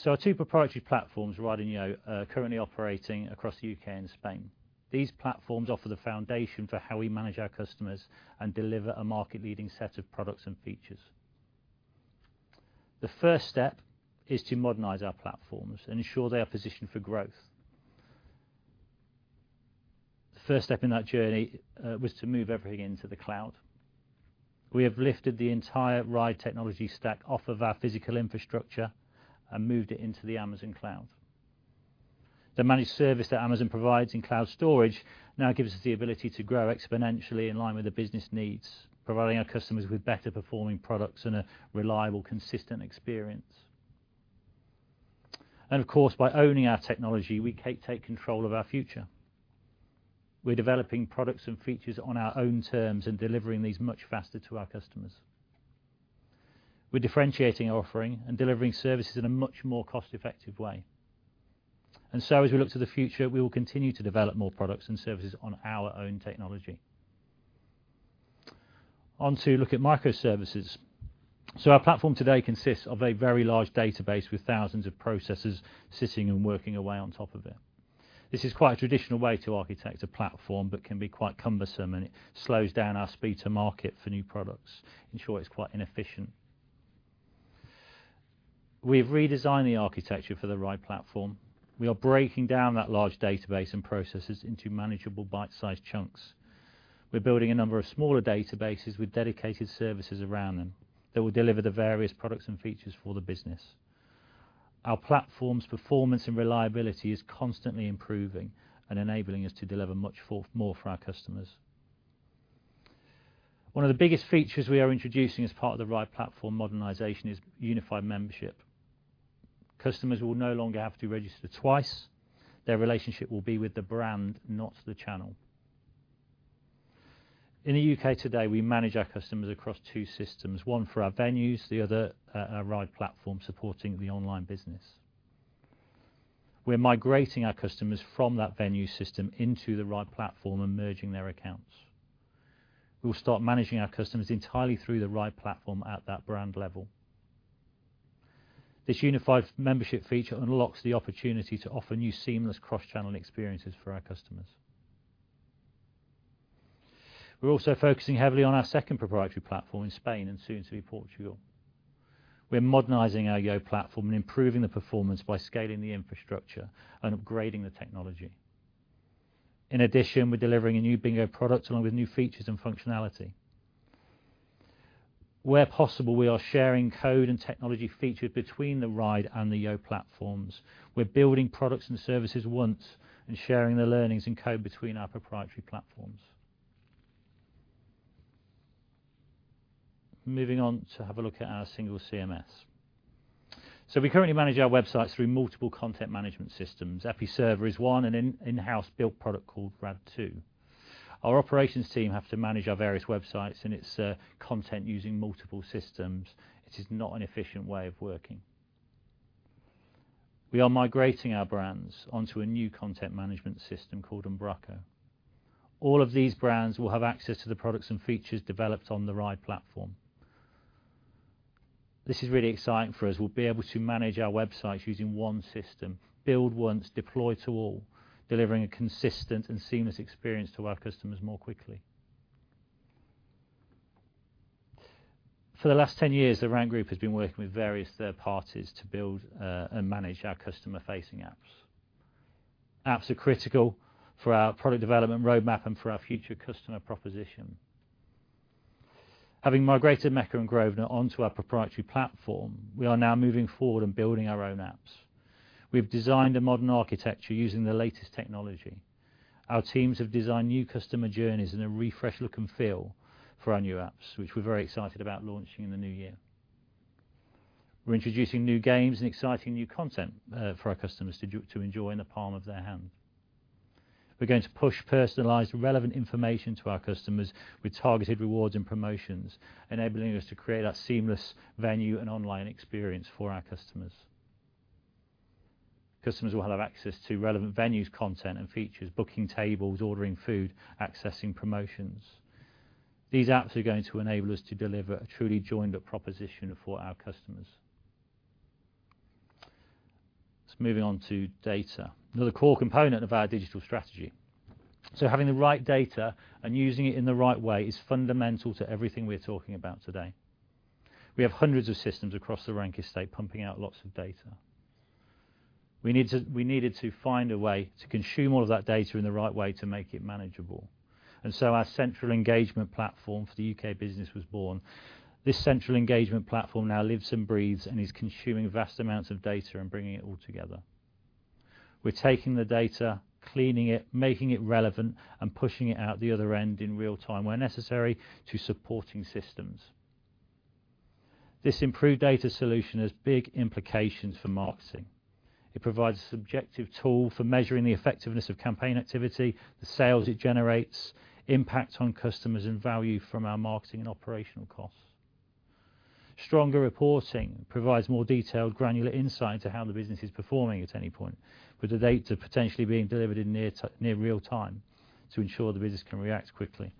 Our two proprietary platforms, RIDE and Yo, are currently operating across the U.K. and Spain. These platforms offer the foundation for how we manage our customers and deliver a market-leading set of products and features. The first step is to modernize our platforms and ensure they are positioned for growth. The first step in that journey was to move everything into the cloud. We have lifted the entire RIDE technology stack off of our physical infrastructure and moved it into the Amazon cloud. The managed service that Amazon provides in cloud storage now gives us the ability to grow exponentially in line with the business needs, providing our customers with better performing products and a reliable, consistent experience. And of course, by owning our technology, we take control of our future. We're developing products and features on our own terms and delivering these much faster to our customers. We're differentiating our offering and delivering services in a much more cost-effective way. And so, as we look to the future, we will continue to develop more products and services on our own technology. On to look at microservices. So our platform today consists of a very large database with thousands of processes sitting and working away on top of it. This is quite a traditional way to architect a platform, but can be quite cumbersome, and it slows down our speed to market for new products. In short, it's quite inefficient. We've redesigned the architecture for the RIDE platform. We are breaking down that large database and processes into manageable bite-sized chunks. We're building a number of smaller databases with dedicated services around them that will deliver the various products and features for the business. Our platform's performance and reliability is constantly improving and enabling us to deliver much more for our customers. One of the biggest features we are introducing as part of the RIDE platform modernization is unified membership. Customers will no longer have to register twice. Their relationship will be with the brand, not the channel. In the U.K. today, we manage our customers across two systems, one for our venues, the other, our RIDE platform, supporting the online business. We're migrating our customers from that venue system into the RIDE platform and merging their accounts. We will start managing our customers entirely through the RIDE platform at that brand level. This unified membership feature unlocks the opportunity to offer new seamless cross-channel experiences for our customers. We're also focusing heavily on our second proprietary platform in Spain and soon to be Portugal. We're modernizing our Yo platform and improving the performance by scaling the infrastructure and upgrading the technology. In addition, we're delivering a new bingo product along with new features and functionality. Where possible, we are sharing code and technology featured between the RIDE and the Yo platforms. We're building products and services once, and sharing the learnings and code between our proprietary platforms. Moving on to have a look at our single CMS. So we currently manage our websites through multiple content management systems. Episerver is one, and an in-house built product called Rad2. Our operations team have to manage our various websites and its content using multiple systems. It is not an efficient way of working. We are migrating our brands onto a new content management system called Umbraco. All of these brands will have access to the products and features developed on the RIDE platform. This is really exciting for us. We'll be able to manage our websites using one system, build once, deploy to all, delivering a consistent and seamless experience to our customers more quickly. For the last 10 years, the Rank Group has been working with various third parties to build and manage our customer-facing apps. Apps are critical for our product development roadmap and for our future customer proposition. Having migrated Mecca and Grosvenor onto our proprietary platform, we are now moving forward and building our own apps. We've designed a modern architecture using the latest technology. Our teams have designed new customer journeys and a refreshed look and feel for our new apps, which we're very excited about launching in the new year. We're introducing new games and exciting new content for our customers to enjoy in the palm of their hand. We're going to push personalized, relevant information to our customers with targeted rewards and promotions, enabling us to create a seamless venue and online experience for our customers. Customers will have access to relevant venues, content, and features, booking tables, ordering food, accessing promotions. These apps are going to enable us to deliver a truly joined-up proposition for our customers. Let's move on to data, another core component of our digital strategy. So having the right data and using it in the right way is fundamental to everything we're talking about today. We have hundreds of systems across the Rank estate, pumping out lots of data. We needed to find a way to consume all of that data in the right way to make it manageable, and so our Central Engagement Platform for the U.K. business was born. This Central Engagement Platform now lives and breathes and is consuming vast amounts of data and bringing it all together. We're taking the data, cleaning it, making it relevant, and pushing it out the other end in real time, where necessary, to supporting systems. This improved data solution has big implications for marketing. It provides a subjective tool for measuring the effectiveness of campaign activity, the sales it generates, impact on customers, and value from our marketing and operational costs. Stronger reporting provides more detailed, granular insight into how the business is performing at any point, with the data potentially being delivered in near real time to ensure the business can react quickly.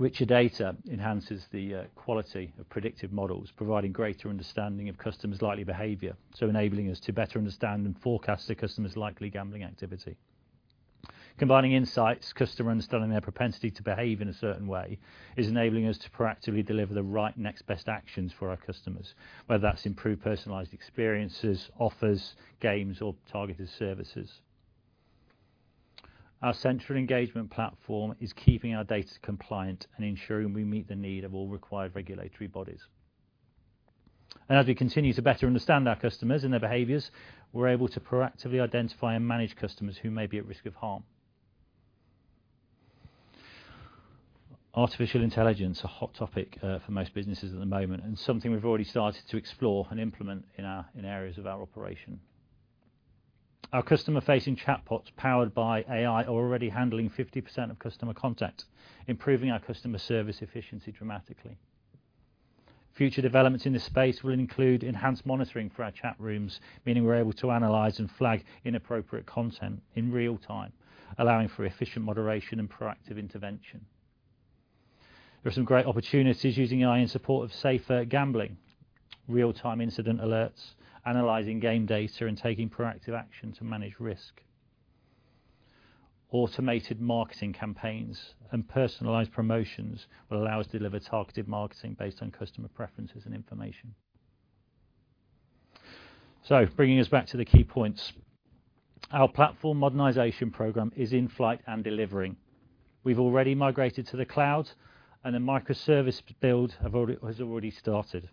Richer data enhances the quality of predictive models, providing greater understanding of customers' likely behavior, so enabling us to better understand and forecast the customer's likely gambling activity. Combining insights, customer understanding, their propensity to behave in a certain way is enabling us to proactively deliver the right next best actions for our customers, whether that's improved personalized experiences, offers, games, or targeted services. Our Central Engagement Platform is keeping our data compliant and ensuring we meet the need of all required regulatory bodies. And as we continue to better understand our customers and their behaviors, we're able to proactively identify and manage customers who may be at risk of harm. Artificial intelligence, a hot topic, for most businesses at the moment, and something we've already started to explore and implement in areas of our operation. Our customer-facing chatbots, powered by AI, are already handling 50% of customer contact, improving our customer service efficiency dramatically. Future developments in this space will include enhanced monitoring for our chat rooms, meaning we're able to analyze and flag inappropriate content in real time, allowing for efficient moderation and proactive intervention. There are some great opportunities using AI in support of safer gambling, real-time incident alerts, analyzing game data, and taking proactive action to manage risk. Automated marketing campaigns and personalized promotions will allow us to deliver targeted marketing based on customer preferences and information. So bringing us back to the key points, our platform modernization program is in flight and delivering. We've already migrated to the cloud, and a microservices build has already started.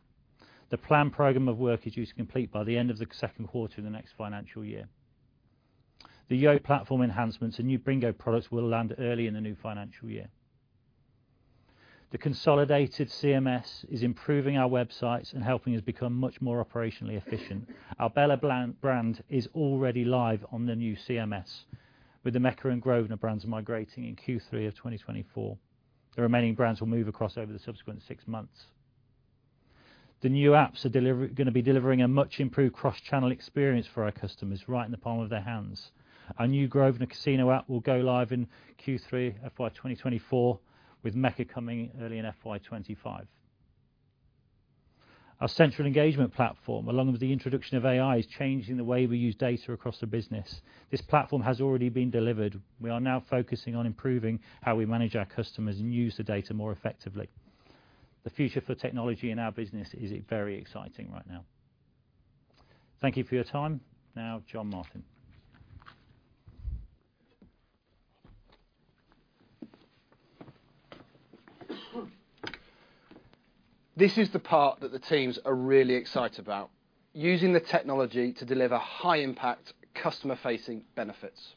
The planned program of work is due to complete by the end of the second quarter of the next financial year. The Yo platform enhancements and new Bingo products will land early in the new financial year. The consolidated CMS is improving our websites and helping us become much more operationally efficient. Our Bella brand is already live on the new CMS, with the Mecca and Grosvenor brands migrating in Q3 of 2024. The remaining brands will move across over the subsequent six months. The new apps are gonna be delivering a much improved cross-channel experience for our customers, right in the palm of their hands. Our new Grosvenor Casino app will go live in Q3 FY 2024, with Mecca coming early in FY 2025. Our central engagement platform, along with the introduction of AI, is changing the way we use data across the business. This platform has already been delivered. We are now focusing on improving how we manage our customers and use the data more effectively. The future for technology in our business is very exciting right now. Thank you for your time. Now, Jon Martin. This is the part that the teams are really excited about: using the technology to deliver high-impact, customer-facing benefits.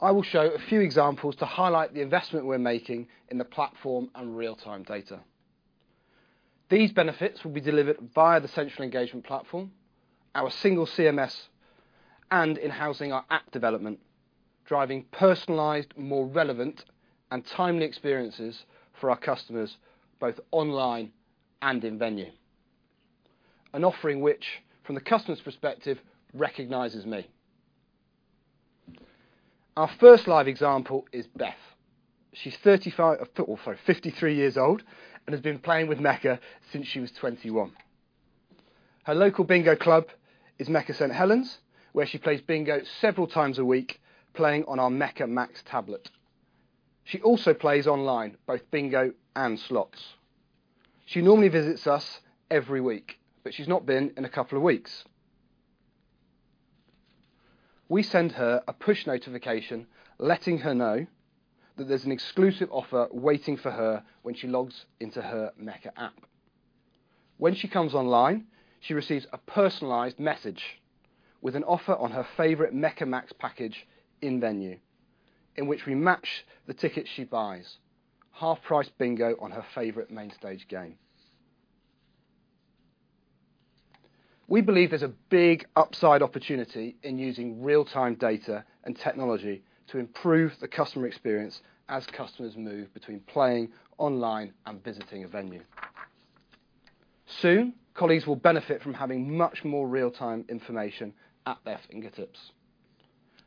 I will show a few examples to highlight the investment we're making in the platform and real-time data. These benefits will be delivered via the Central Engagement Platform, our single CMS, and in housing our app development, driving personalized, more relevant, and timely experiences for our customers, both online and in-venue. An offering which, from the customer's perspective, recognizes me. Our first live example is Beth. She's 53 years old, and has been playing with Mecca since she was 21. Her local bingo club is Mecca St. Helens, where she plays bingo several times a week, playing on our Mecca Max tablet. She also plays online, both bingo and slots. She normally visits us every week, but she's not been in a couple of weeks. We send her a push notification, letting her know that there's an exclusive offer waiting for her when she logs into her Mecca app. When she comes online, she receives a personalized message with an offer on her favorite Mecca Max package in-venue, in which we match the tickets she buys, half-price bingo on her favorite main stage game. We believe there's a big upside opportunity in using real-time data and technology to improve the customer experience as customers move between playing online and visiting a venue. Soon, colleagues will benefit from having much more real-time information at their fingertips.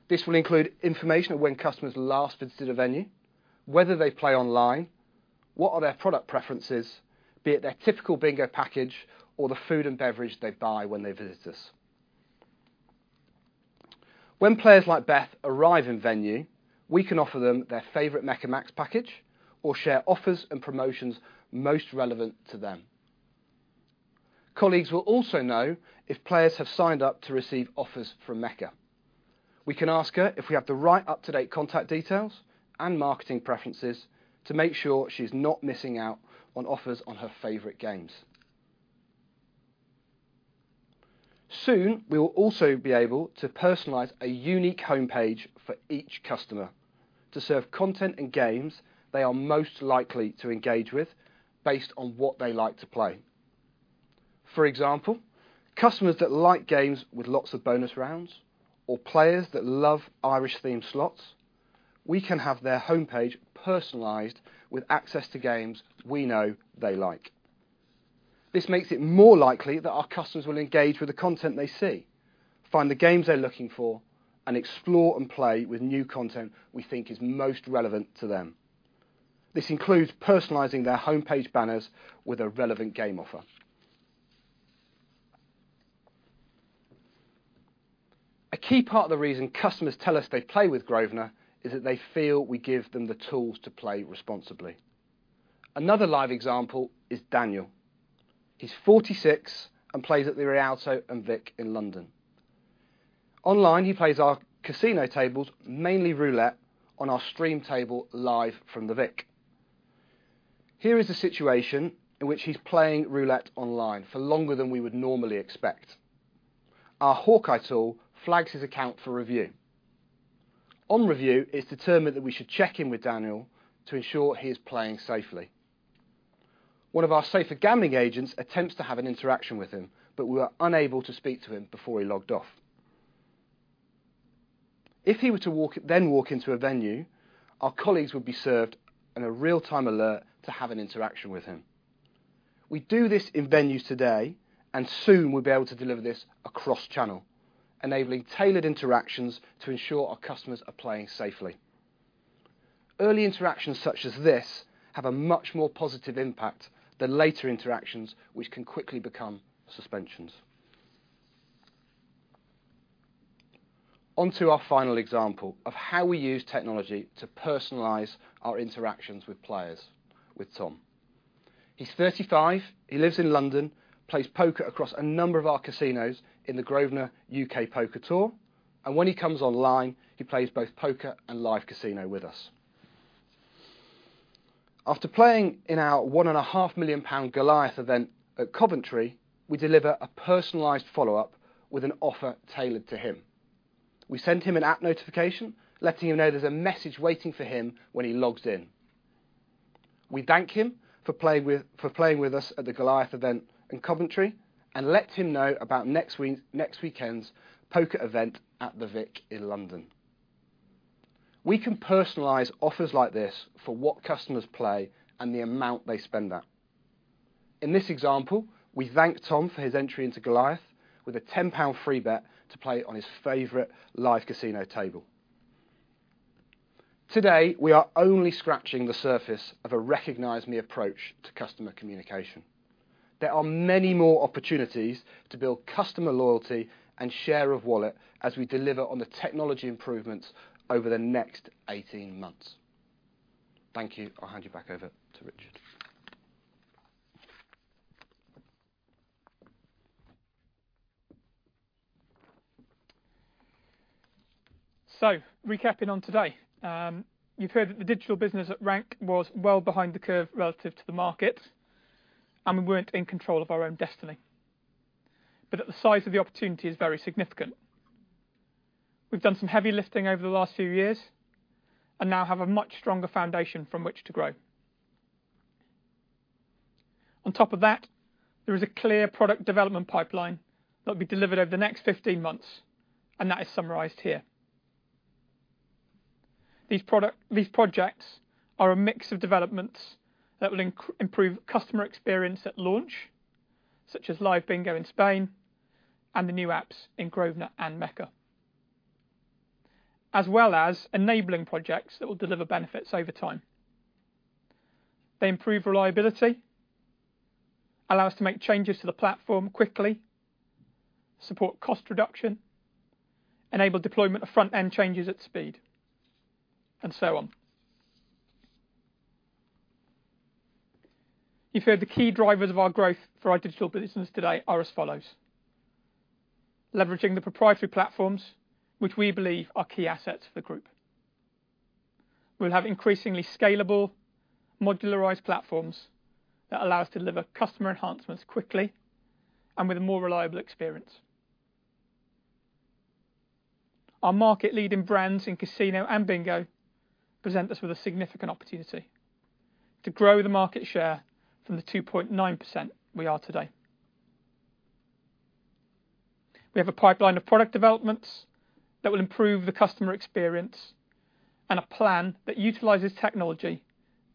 This will include information of when customers last visited a venue, whether they play online, what are their product preferences, be it their typical bingo package or the food and beverage they buy when they visit us. When players like Beth arrive in-venue, we can offer them their favorite Mecca Max package or share offers and promotions most relevant to them. Colleagues will also know if players have signed up to receive offers from Mecca. We can ask her if we have the right up-to-date contact details and marketing preferences to make sure she's not missing out on offers on her favorite games. Soon, we will also be able to personalize a unique homepage for each customer to serve content and games they are most likely to engage with based on what they like to play. For example, customers that like games with lots of bonus rounds or players that love Irish-themed slots, we can have their homepage personalized with access to games we know they like. This makes it more likely that our customers will engage with the content they see, find the games they're looking for, and explore and play with new content we think is most relevant to them. This includes personalizing their homepage banners with a relevant game offer. A key part of the reason customers tell us they play with Grosvenor is that they feel we give them the tools to play responsibly. Another live example is Daniel. He's 46 and plays at the Rialto and Vic in London. Online, he plays our casino tables, mainly roulette, on our stream table live from The Vic. Here is a situation in which he's playing roulette online for longer than we would normally expect. Our Hawkeye tool flags his account for review. On review, it's determined that we should check in with Daniel to ensure he is playing safely. One of our safer gambling agents attempts to have an interaction with him, but we are unable to speak to him before he logged off. If he were to walk into a venue, our colleagues would be served in a real-time alert to have an interaction with him. We do this in venues today, and soon we'll be able to deliver this across channel, enabling tailored interactions to ensure our customers are playing safely. Early interactions such as this have a much more positive impact than later interactions, which can quickly become suspensions. On to our final example of how we use technology to personalize our interactions with players, with Tom. He's 35, he lives in London, plays poker across a number of our casinos in the Grosvenor U.K. Poker Tour, and when he comes online, he plays both poker and live casino with us. After playing in our 1.5 million pound Goliath event at Coventry, we deliver a personalized follow-up with an offer tailored to him. We send him an app notification, letting him know there's a message waiting for him when he logs in. We thank him for playing with, for playing with us at the Goliath event in Coventry and let him know about next week's- next weekend's poker event at The Vic in London. We can personalize offers like this for what customers play and the amount they spend at. In this example, we thank Tom for his entry into Goliath with a 10 pound free bet to play on his favorite live casino table. Today, we are only scratching the surface of a Recognise Me approach to customer communication. There are many more opportunities to build customer loyalty and share of wallet as we deliver on the technology improvements over the next 18 months.... Thank you. I'll hand you back over to Richard. So recapping on today, you've heard that the digital business at Rank was well behind the curve relative to the market, and we weren't in control of our own destiny. But the size of the opportunity is very significant. We've done some heavy lifting over the last few years and now have a much stronger foundation from which to grow. On top of that, there is a clear product development pipeline that will be delivered over the next 15 months, and that is summarized here. These projects are a mix of developments that will improve customer experience at launch, such as live bingo in Spain and the new apps in Grosvenor and Mecca, as well as enabling projects that will deliver benefits over time. They improve reliability, allow us to make changes to the platform quickly, support cost reduction, enable deployment of front-end changes at speed, and so on. You've heard the key drivers of our growth for our digital business today are as follows: leveraging the proprietary platforms, which we believe are key assets for the group. We'll have increasingly scalable, modularized platforms that allow us to deliver customer enhancements quickly and with a more reliable experience. Our market-leading brands in Casino and Bingo present us with a significant opportunity to grow the market share from the 2.9% we are today. We have a pipeline of product developments that will improve the customer experience and a plan that utilizes technology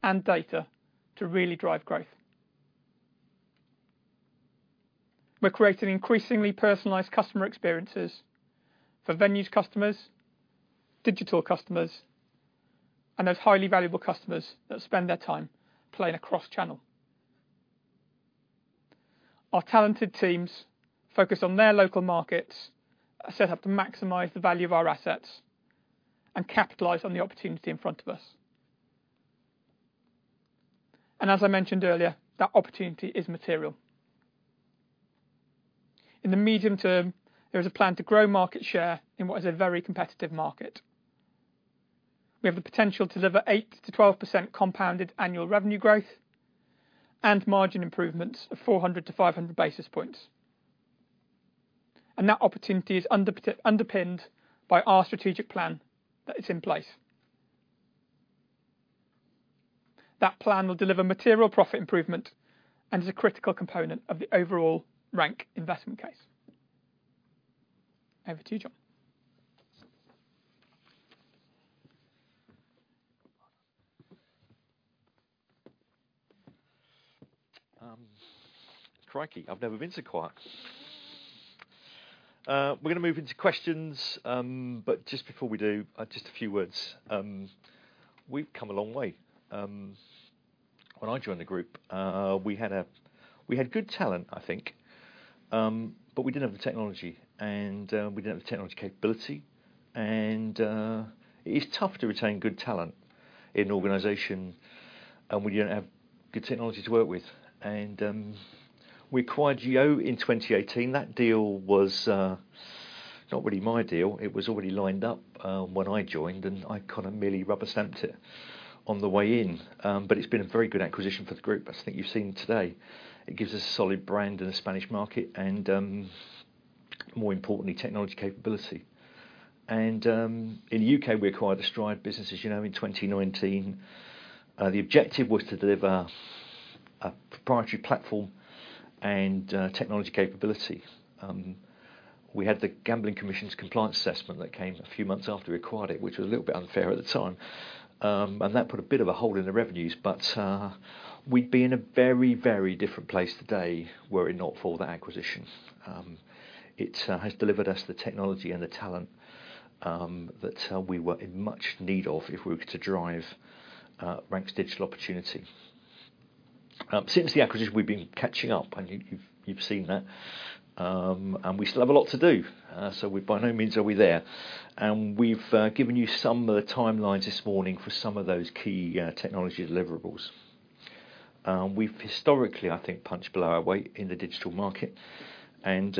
and data to really drive growth. We're creating increasingly personalized customer experiences for venues customers, digital customers, and those highly valuable customers that spend their time playing across channel. Our talented teams focus on their local markets, are set up to maximize the value of our assets and capitalize on the opportunity in front of us. And as I mentioned earlier, that opportunity is material. In the medium term, there is a plan to grow market share in what is a very competitive market. We have the potential to deliver 8%-12% compounded annual revenue growth and margin improvements of 400-500 basis points, and that opportunity is underpinned by our strategic plan that is in place. That plan will deliver material profit improvement and is a critical component of the overall Rank investment case. Over to you, John. Crikey, I've never been so quiet! We're going to move into questions, but just before we do, just a few words. We've come a long way. When I joined the group, we had good talent, I think, but we didn't have the technology and we didn't have the technology capability and it is tough to retain good talent in an organization, and we didn't have good technology to work with. We acquired Yo in 2018. That deal was not really my deal. It was already lined up when I joined, and I kind of merely rubber-stamped it on the way in. But it's been a very good acquisition for the group. I think you've seen today. It gives us a solid brand in the Spanish market and, more importantly, technology capability. And, in the U.K., we acquired the Stride businesses, you know, in 2019. The objective was to deliver a proprietary platform and technology capabilities. We had the Gambling Commission's compliance assessment that came a few months after we acquired it, which was a little bit unfair at the time, and that put a bit of a hole in the revenues, but, we'd be in a very, very different place today were it not for the acquisitions. It has delivered us the technology and the talent that we were in much need of if we were to drive Rank's digital opportunity. Since the acquisition, we've been catching up, and you've, you've seen that. We still have a lot to do, so by no means are we there. We've given you some of the timelines this morning for some of those key technology deliverables. We've historically, I think, punched below our weight in the digital market, and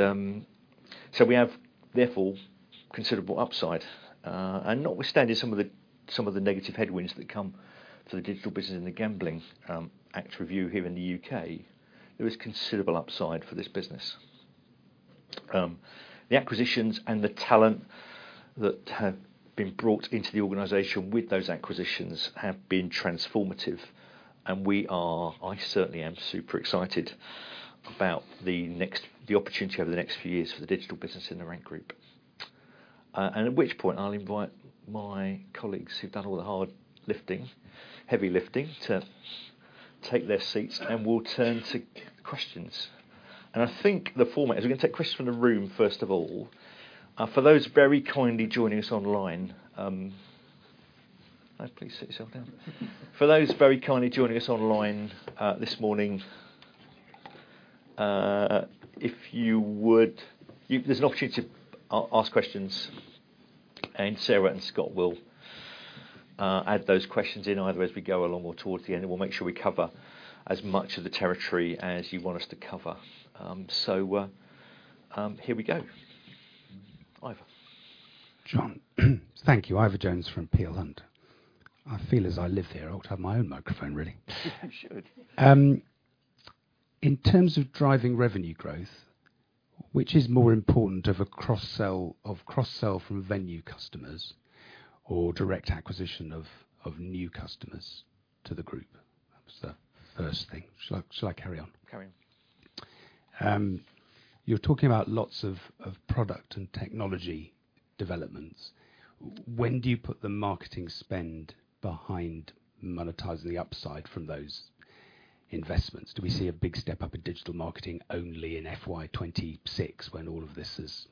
so we have therefore considerable upside, and notwithstanding some of the negative headwinds that come to the digital business and the Gambling Act Review here in the U.K., there is considerable upside for this business. The acquisitions and the talent that have been brought into the organization with those acquisitions have been transformative, and we are. I certainly am super excited about the next, the opportunity over the next few years for the digital business in the Rank Group. And at which point, I'll invite my colleagues, who've done all the hard lifting, heavy lifting, to take their seats, and we'll turn to questions. I think the format is we're going to take questions from the room, first of all. For those very kindly joining us online, please sit yourself down. For those very kindly joining us online, this morning, if you would, there's an opportunity to ask questions, and Sarah and Scott will add those questions in either as we go along or towards the end, and we'll make sure we cover as much of the territory as you want us to cover. Here we go. Ivor. John, thank you. Ivor Jones from Peel Hunt. I feel as I live here, I ought to have my own microphone, really. You should. In terms of driving revenue growth, which is more important, a cross-sell from venue customers or direct acquisition of new customers to the group? That's the first thing. Shall I carry on? Carry on. You're talking about lots of product and technology developments. When do you put the marketing spend behind monetizing the upside from those investments? Do we see a big step up in digital marketing only in FY 2026, when all of this has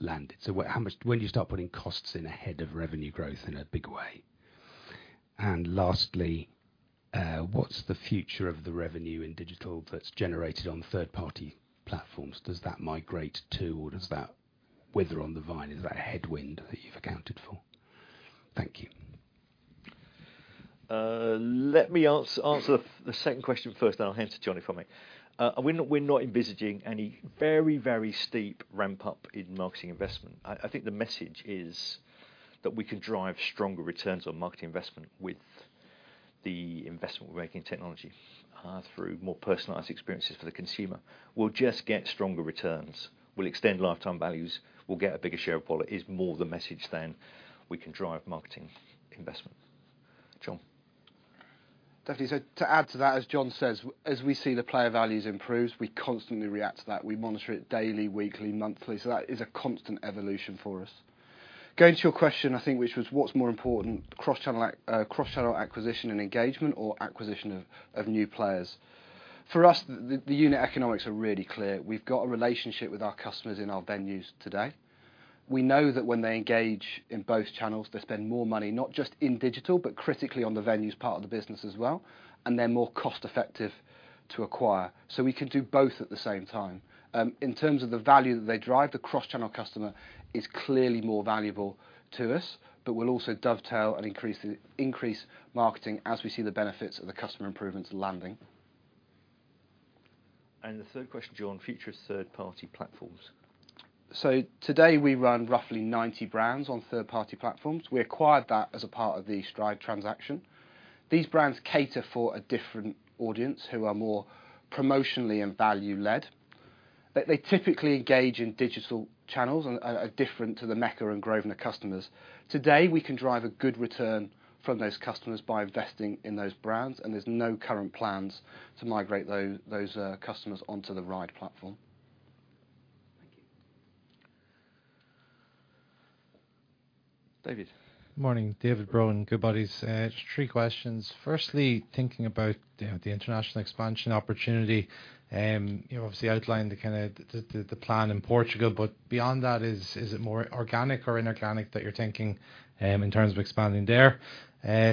landed? So what, how much, when do you start putting costs in ahead of revenue growth in a big way? And lastly, what's the future of the revenue in digital that's generated on third-party platforms? Does that migrate too, or does that wither on the vine? Is that a headwind that you've accounted for? Thank you. Let me answer the second question first, then I'll hand to Jon for me. We're not envisaging any very, very steep ramp-up in marketing investment. I think the message is that we can drive stronger returns on marketing investment with the investment we're making in technology, through more personalized experiences for the consumer. We'll just get stronger returns. We'll extend lifetime values. We'll get a bigger share of wallet, is more the message than we can drive marketing investment. Jon? Definitely. So to add to that, as John says, as we see the player values improve, we constantly react to that. We monitor it daily, weekly, monthly, so that is a constant evolution for us. Going to your question, I think, which was what's more important, cross-channel acquisition and engagement or acquisition of new players? For us, the unit economics are really clear. We've got a relationship with our customers in our venues today. We know that when they engage in both channels, they spend more money, not just in digital, but critically on the venues part of the business as well, and they're more cost-effective to acquire. So we can do both at the same time. In terms of the value that they drive, the cross-channel customer is clearly more valuable to us, but we'll also dovetail and increase marketing as we see the benefits of the customer improvements landing. The third question, Jon, future third-party platforms. So today we run roughly 90 brands on third-party platforms. We acquired that as a part of the Stride transaction. These brands cater for a different audience, who are more promotionally and value-led. They typically engage in digital channels and are different to the Mecca and Grosvenor customers. Today, we can drive a good return from those customers by investing in those brands, and there's no current plans to migrate those customers onto the RIDE platform. Thank you. David? Morning, David Brohan, Goodbody. Just three questions. Firstly, thinking about the international expansion opportunity, you know, obviously outlined the kind of the plan in Portugal, but beyond that, is it more organic or inorganic that you're thinking in terms of expanding there?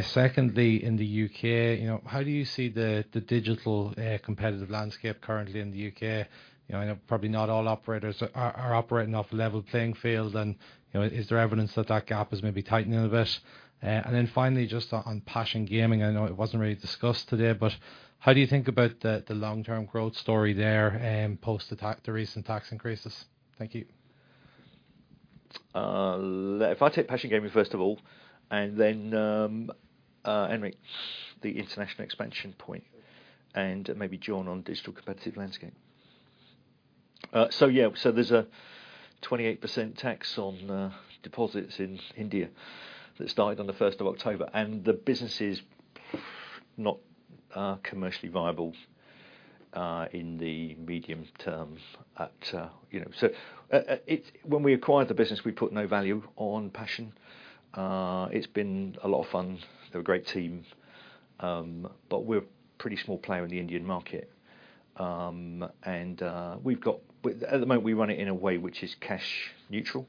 Secondly, in the U.K., you know, how do you see the digital competitive landscape currently in the U.K.? You know, probably not all operators are operating off a level playing field and, you know, is there evidence that that gap is maybe tightening a bit? And then finally, just on Passion Gaming, I know it wasn't really discussed today, but how do you think about the long-term growth story there post the tax, the recent tax increases? Thank you. If I take Passion Gaming, first of all, and then, Enric, the international expansion point, and maybe Jon on digital competitive landscape. So yeah, so there's a 28% tax on deposits in India that started on the first of October, and the business is not commercially viable in the medium terms at, you know. So, it's when we acquired the business, we put no value on Passion. It's been a lot of fun. They're a great team, but we're a pretty small player in the Indian market. And, we've got with, at the moment, we run it in a way which is cash neutral,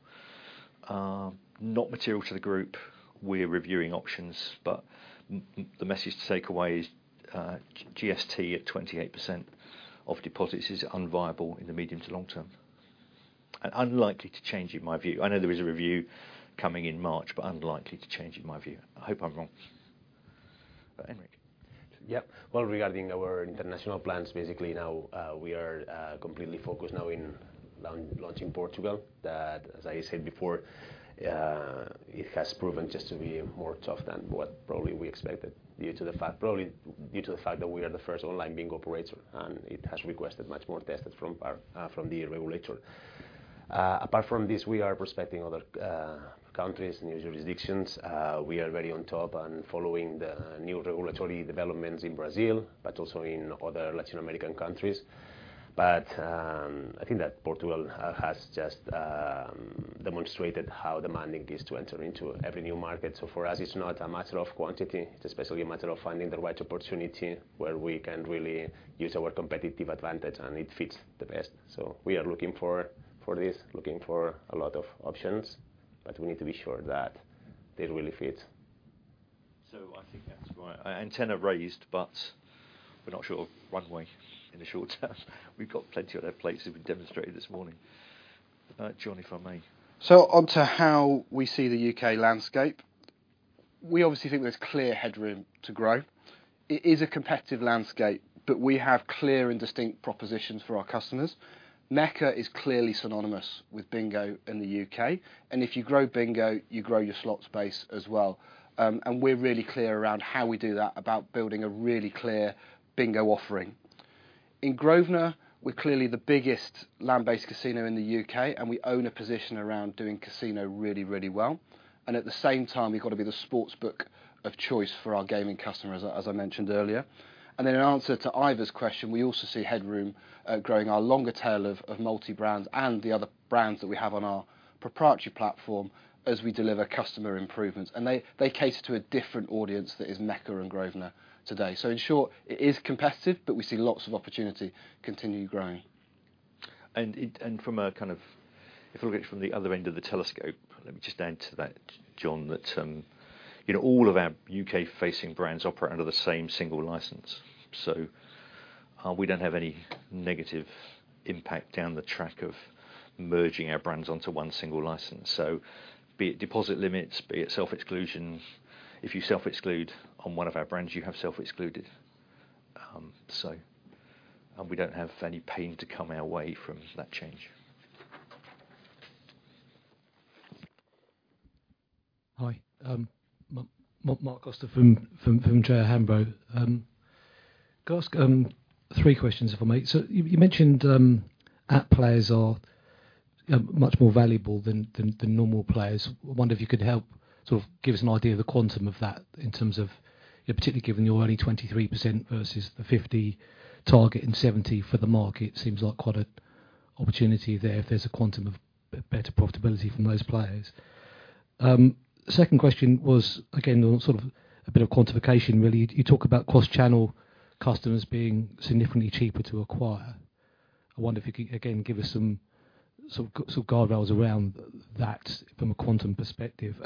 not material to the group. We're reviewing options, but the message to take away is, GST at 28% of deposits is unviable in the medium to long term and unlikely to change in my view. I know there is a review coming in March, but unlikely to change in my view. I hope I'm wrong. But Enric. Yeah. Well, regarding our international plans, basically now, we are completely focused now in launching Portugal, that, as I said before, it has proven just to be more tough than what probably we expected, probably due to the fact that we are the first online bingo operator, and it has requested much more tests from our, from the regulator. Apart from this, we are prospecting other, countries, new jurisdictions. We are very on top and following the, new regulatory developments in Brazil, but also in other Latin American countries. I think that Portugal has just, demonstrated how demanding it is to enter into every new market. For us, it's not a matter of quantity, it's especially a matter of finding the right opportunity where we can really use our competitive advantage, and it fits the best. We are looking for this, a lot of options, but we need to be sure that they really fit.... So I think that's right. Antenna raised, but we're not sure of runway in the short term. We've got plenty other places we've demonstrated this morning. Jon, if I may? So on to how we see the U.K. landscape. We obviously think there's clear headroom to grow. It is a competitive landscape, but we have clear and distinct propositions for our customers. Mecca is clearly synonymous with bingo in the U.K., and if you grow bingo, you grow your slots base as well. And we're really clear around how we do that, about building a really clear bingo offering. In Grosvenor, we're clearly the biggest land-based casino in the U.K., and we own a position around doing casino really, really well. And at the same time, we've got to be the sportsbook of choice for our gaming customers, as I, as I mentioned earlier. And in answer to Ivor's question, we also see headroom, growing our longer tail of multi-brands and the other brands that we have on our proprietary platform as we deliver customer improvements. They cater to a different audience that is Mecca and Grosvenor today. In short, it is competitive, but we see lots of opportunity continuing growing. And from a kind of... If we look it from the other end of the telescope, let me just add to that, Jon, that, you know, all of our U.K.-facing brands operate under the same single license, so, we don't have any negative impact down the track of merging our brands onto one single license. So be it deposit limits, be it self-exclusions. If you self-exclude on one of our brands, you have self-excluded. So, we don't have any pain to come our way from that change. Hi, Mark, Mark Costar from J O Hambro. Can I ask three questions, if I may? You mentioned app players are much more valuable than normal players. I wonder if you could help sort of give us an idea of the quantum of that in terms of, particularly given you're only 23% versus the 50 target and 70 for the market, seems like quite an opportunity there if there's a quantum of better profitability from those players. Second question was, again, on sort of a bit of quantification, really. You talk about cross-channel customers being significantly cheaper to acquire. I wonder if you could, again, give us some, sort of guardrails around that from a quantum perspective.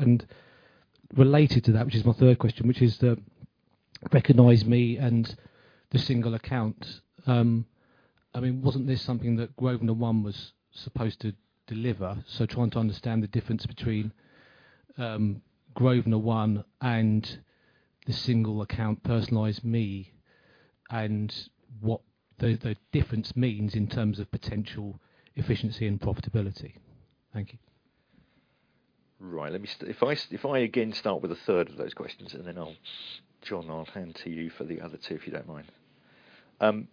Related to that, which is my third question, which is the Recognise Me and the single account. I mean, wasn't this something that Grosvenor One was supposed to deliver? So trying to understand the difference between Grosvenor One and the single account, Recognise Me, and what the difference means in terms of potential efficiency and profitability. Thank you. Right. Let me. If I again start with the third of those questions, and then I'll, Jon, I'll hand to you for the other two, if you don't mind.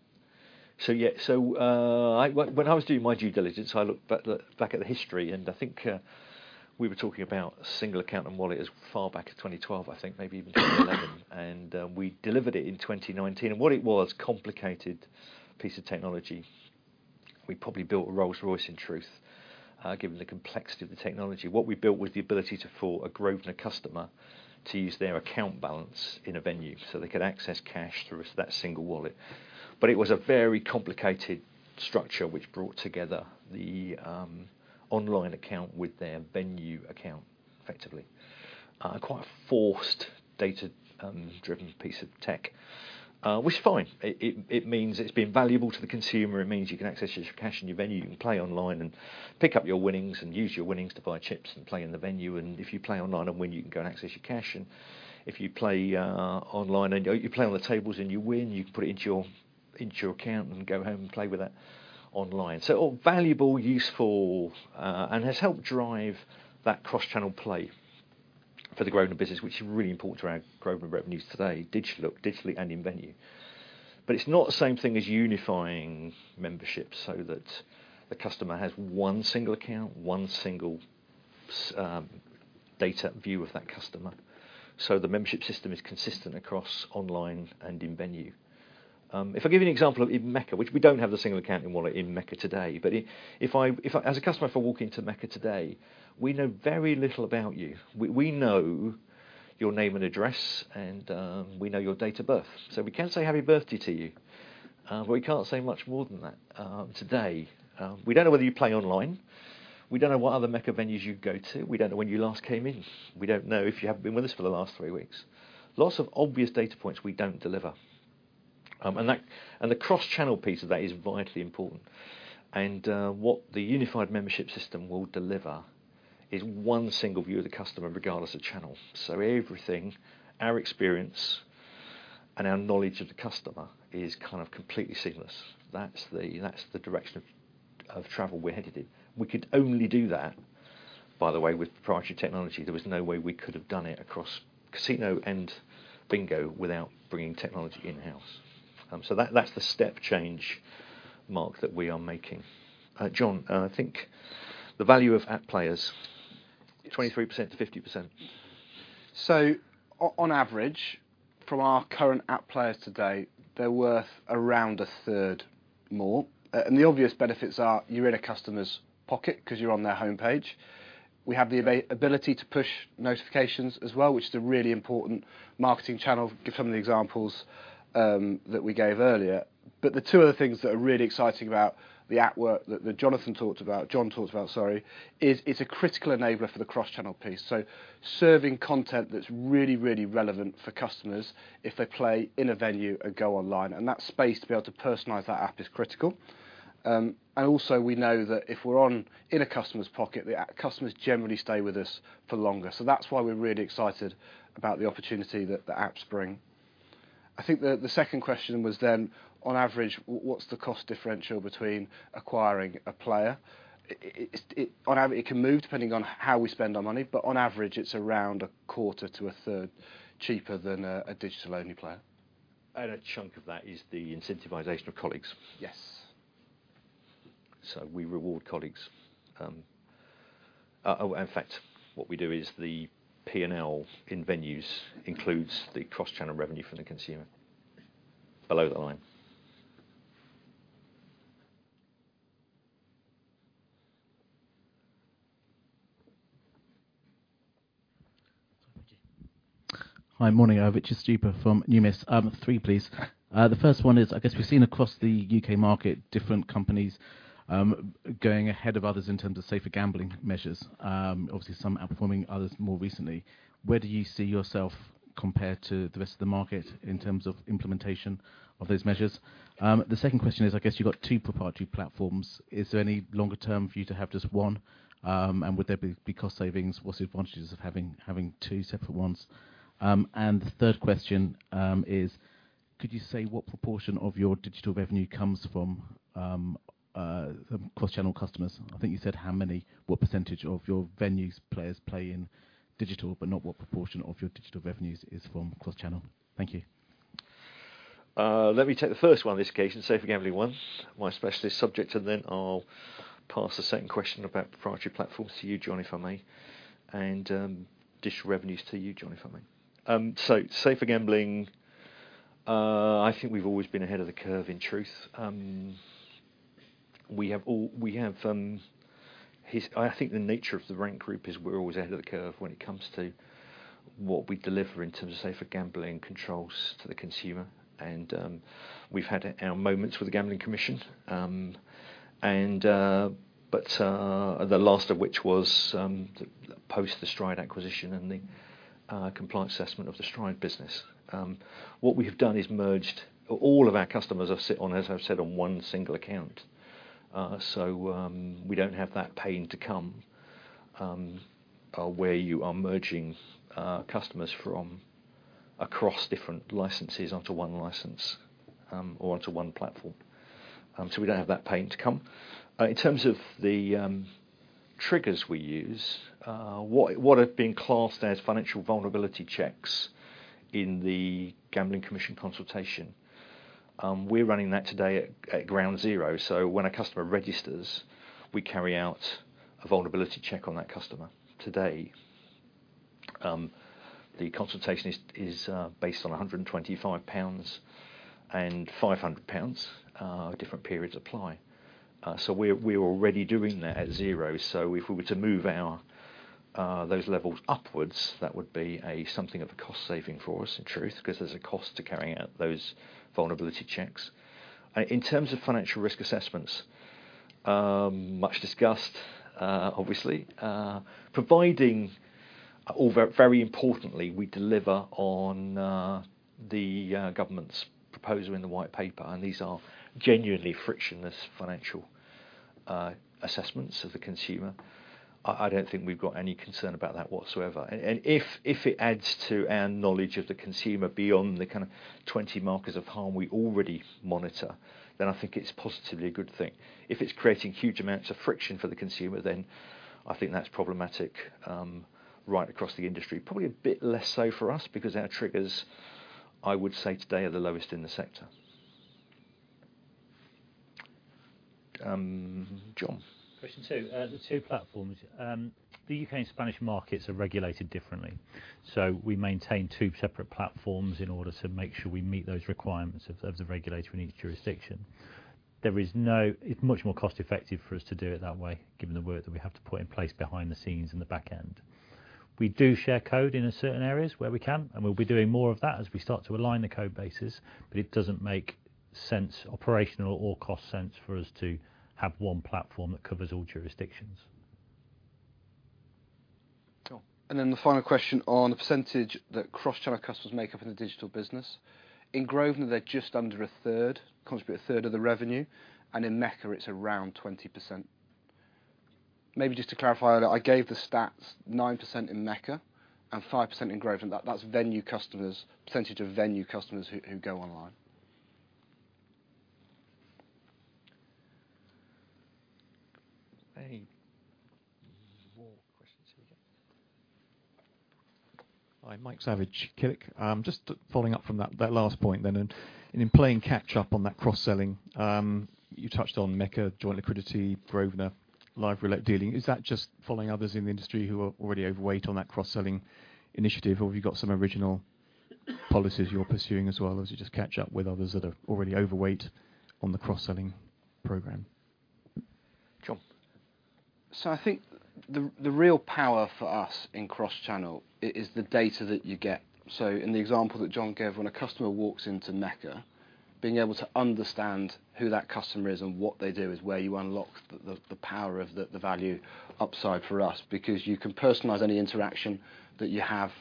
So yeah, so, when I was doing my due diligence, I looked back at the, back at the history, and I think, we were talking about a single account and wallet as far back as 2012, I think, maybe even 2011. And, we delivered it in 2019. And what it was, complicated piece of technology. We probably built a Rolls-Royce, in truth, given the complexity of the technology. What we built was the ability to for a Grosvenor customer to use their account balance in a venue, so they could access cash through that single wallet. But it was a very complicated structure which brought together the online account with their venue account, effectively. Quite a forced data driven piece of tech, which is fine. It, it, it means it's been valuable to the consumer. It means you can access your cash in your venue, you can play online and pick up your winnings, and use your winnings to buy chips and play in the venue. And if you play online and win, you can go and access your cash. And if you play online and you you play on the tables and you win, you can put it into your account and go home and play with that online. So all valuable, useful, and has helped drive that cross-channel play for the Grosvenor business, which is really important to our Grosvenor revenues today, digitally, digitally and in venue. But it's not the same thing as unifying memberships so that the customer has one single account, one single data view of that customer, so the membership system is consistent across online and in-venue. If I give you an example in Mecca, which we don't have the single account and wallet in Mecca today, but if as a customer, if I walk into Mecca today, we know very little about you. We know your name and address, and we know your date of birth, so we can say happy birthday to you, but we can't say much more than that today. We don't know whether you play online. We don't know what other Mecca venues you go to. We don't know when you last came in. We don't know if you have been with us for the last three weeks. Lots of obvious data points we don't deliver. And the cross-channel piece of that is vitally important. And what the unified membership system will deliver is one single view of the customer, regardless of channel. So everything, our experience and our knowledge of the customer, is kind of completely seamless. That's the direction of travel we're headed in. We could only do that, by the way, with proprietary technology. There was no way we could have done it across casino and bingo without bringing technology in-house. So that's the step change, Mark, that we are making. Jon, I think the value of app players, 23%-50%. So on average, from our current app players today, they're worth around a third more. The obvious benefits are you're in a customer's pocket 'cause you're on their homepage. We have the ability to push notifications as well, which is a really important marketing channel. Give some of the examples that we gave earlier. But the two other things that are really exciting about the app work that, that Jonathan talked about, John talked about, sorry, is it's a critical enabler for the cross-channel piece. So serving content that's really, really relevant for customers if they play in a venue and go online, and that space to be able to personalize that app is critical. And also, we know that if we're on, in a customer's pocket, the app customers generally stay with us for longer. So that's why we're really excited about the opportunity that the apps bring. I think the second question was then, on average, what's the cost differential between acquiring a player? It on average can move depending on how we spend our money, but on average, it's around a quarter to 1/3 cheaper than a digital-only player. A chunk of that is the incentivization of colleagues. Yes. We reward colleagues. In fact, what we do is the P&L in venues includes the cross-channel revenue for the consumer below the line. Hi, morning. I have Richard Stuber from Numis. 3, please. The first one is, I guess we've seen across the U.K. market, different companies going ahead of others in terms of safer gambling measures. Obviously, some outperforming others more recently. Where do you see yourself compared to the rest of the market in terms of implementation of those measures? The second question is, I guess you've got two proprietary platforms. Is there any longer term for you to have just one? And would there be cost savings? What's the advantages of having two separate ones? And the third question is: could you say what proportion of your digital revenue comes from cross-channel customers? I think you said how many, what percentage of your venues players play in digital, but not what proportion of your digital revenues is from cross-channel. Thank you. Let me take the first one in this case, the safer gambling one, my specialist subject, and then I'll pass the second question about proprietary platforms to you, Jonny, if I may, and digital revenues to you, Jonny, if I may. So safer gambling, I think we've always been ahead of the curve in truth. I think the nature of the Rank Group is we're always ahead of the curve when it comes to what we deliver in terms of safer gambling controls to the consumer. And we've had our moments with the Gambling Commission, and but the last of which was post the Stride acquisition and the compliance assessment of the Stride business. What we have done is merged all of our customers that sit on, as I've said, on one single account. So, we don't have that pain to come, where you are merging customers from across different licenses onto one license, or onto one platform. So we don't have that pain to come. In terms of the triggers we use, what have been classed as financial vulnerability checks in the Gambling Commission consultation, we're running that today at ground zero. So when a customer registers, we carry out a vulnerability check on that customer today. The consultation is based on 125 pounds and 500 pounds, different periods apply. So we're already doing that at zero. So if we were to move our, those levels upwards, that would be something of a cost saving for us in truth, because there's a cost to carrying out those vulnerability checks. In terms of financial risk assessments, much discussed, obviously, providing, over very importantly, we deliver on, the, government's proposal in the White Paper, and these are genuinely frictionless financial, assessments of the consumer. I, I don't think we've got any concern about that whatsoever. And, and if, if it adds to our knowledge of the consumer beyond the kind of 20 markers of harm we already monitor, then I think it's positively a good thing. If it's creating huge amounts of friction for the consumer, then I think that's problematic, right across the industry. Probably a bit less so for us, because our triggers, I would say today, are the lowest in the sector. John? Question two. The two platforms. The U.K. and Spanish markets are regulated differently, so we maintain two separate platforms in order to make sure we meet those requirements of the regulator in each jurisdiction. It's much more cost-effective for us to do it that way, given the work that we have to put in place behind the scenes in the back end. We do share code in certain areas where we can, and we'll be doing more of that as we start to align the code bases, but it doesn't make sense, operational or cost sense for us to have one platform that covers all jurisdictions. Cool. And then the final question on the percentage that cross-channel customers make up in the digital business. In Grosvenor, they're just under 1/3, contribute 1/3 of the revenue, and in Mecca, it's around 20%. Maybe just to clarify that, I gave the stats 9% in Mecca and 5% in Grosvenor. That, that's venue customers, percentage of venue customers who go online. Any more questions here? Hi, Mike Savage, Killik. Just following up from that last point then, and in playing catch up on that cross-selling, you touched on Mecca, joint liquidity, Grosvenor, live roulette dealing. Is that just following others in the industry who are already overweight on that cross-selling initiative, or have you got some original-... policies you're pursuing, as well as you just catch up with others that are already overweight on the cross-selling program? Jon? So I think the real power for us in cross-channel is the data that you get. So in the example that John gave, when a customer walks into Mecca, being able to understand who that customer is and what they do, is where you unlock the power of the value upside for us. Because you can personalize any interaction that you have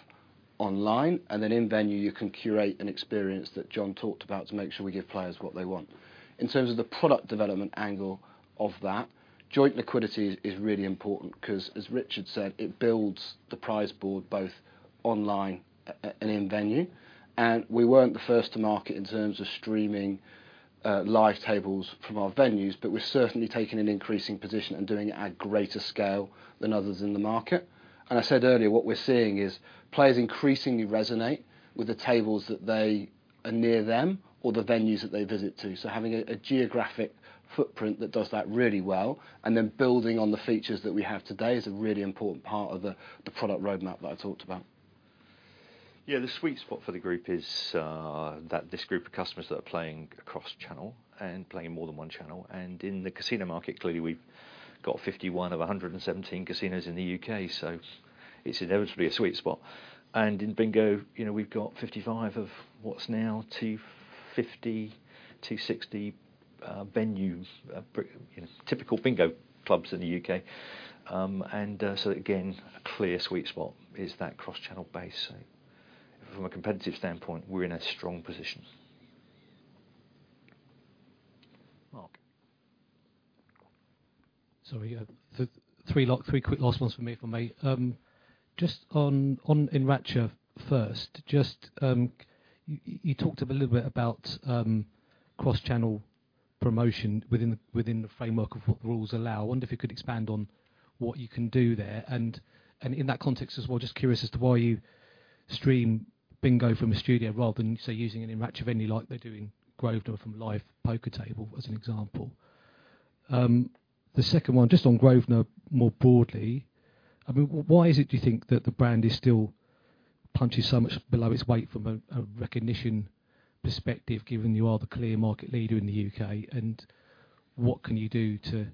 online, and then in venue, you can curate an experience that John talked about to make sure we give players what they want. In terms of the product development angle of that, joint liquidity is really important, 'cause as Richard said, it builds the prize pool both online and in venue. We weren't the first to market in terms of streaming live tables from our venues, but we're certainly taking an increasing position and doing it at greater scale than others in the market. I said earlier, what we're seeing is players increasingly resonate with the tables that they are near them or the venues that they visit to. So having a geographic footprint that does that really well, and then building on the features that we have today, is a really important part of the product roadmap that I talked about. Yeah, the sweet spot for the group is that this group of customers that are playing cross-channel and playing more than one channel, and in the casino market, clearly, we've got 51 of 117 casinos in the U.K., so it's inevitably a sweet spot. In bingo, you know, we've got 55 of what's now 250, 260 venues, you know, typical bingo clubs in the U.K.. And so again, a clear sweet spot is that cross-channel base. From a competitive standpoint, we're in a strong position. Mark? Sorry, three quick last ones for me, from me. Just on Enracha first, just you talked a little bit about cross-channel promotion within the framework of what the rules allow. I wonder if you could expand on what you can do there. And in that context as well, just curious as to why you stream bingo from a studio rather than, say, using an Enracha venue like they do in Grosvenor from a live poker table, as an example. The second one, just on Grosvenor more broadly, I mean, why is it, do you think, that the brand is still punching so much below its weight from a recognition perspective, given you are the clear market leader in the U.K.? And what can you do to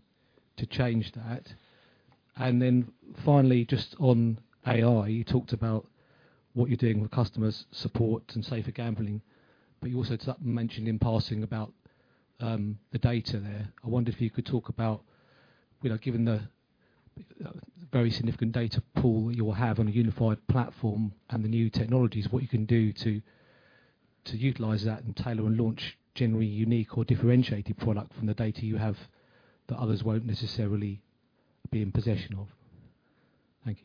change that? And then finally, just on AI, you talked about what you're doing with customer support and safer gambling, but you also mentioned in passing about the data there. I wonder if you could talk about, you know, given the very significant data pool you will have on a unified platform and the new technologies, what you can do to utilize that and tailor and launch generally unique or differentiated product from the data you have, that others won't necessarily be in possession of. Thank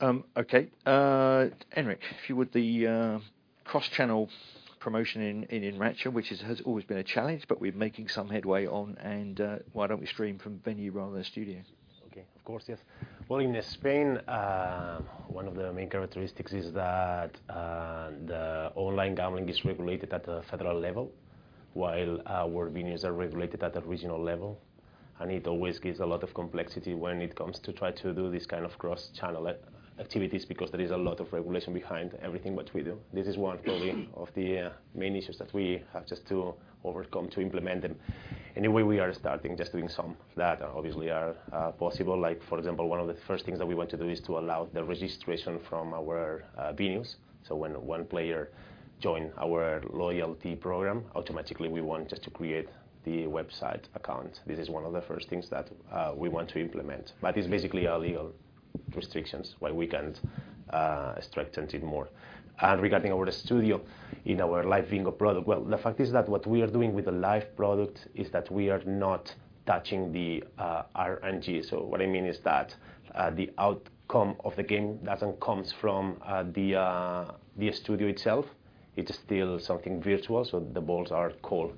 you. Okay. Enric, if you would, the cross-channel promotion in Enracha, which has always been a challenge, but we're making some headway on, and why don't we stream from venue rather than studio? Okay. Of course, yes. Well, in Spain, one of the main characteristics is that, the online gambling is regulated at the federal level, while our venues are regulated at a regional level. And it always gives a lot of complexity when it comes to try to do this kind of cross-channel activities, because there is a lot of regulation behind everything which we do. This is probably one of the main issues that we have just to overcome, to implement them. Anyway, we are starting just doing some that obviously are possible. Like, for example, one of the first things that we want to do is to allow the registration from our venues. So when one player join our loyalty program, automatically, we want just to create the website account. This is one of the first things that we want to implement. But it's basically our legal restrictions, why we can't strengthen it more. And regarding our studio in our live bingo product, well, the fact is that what we are doing with the live product is that we are not touching the RNG. So what I mean is that the outcome of the game doesn't come from the studio itself. It's still something virtual, so the balls are called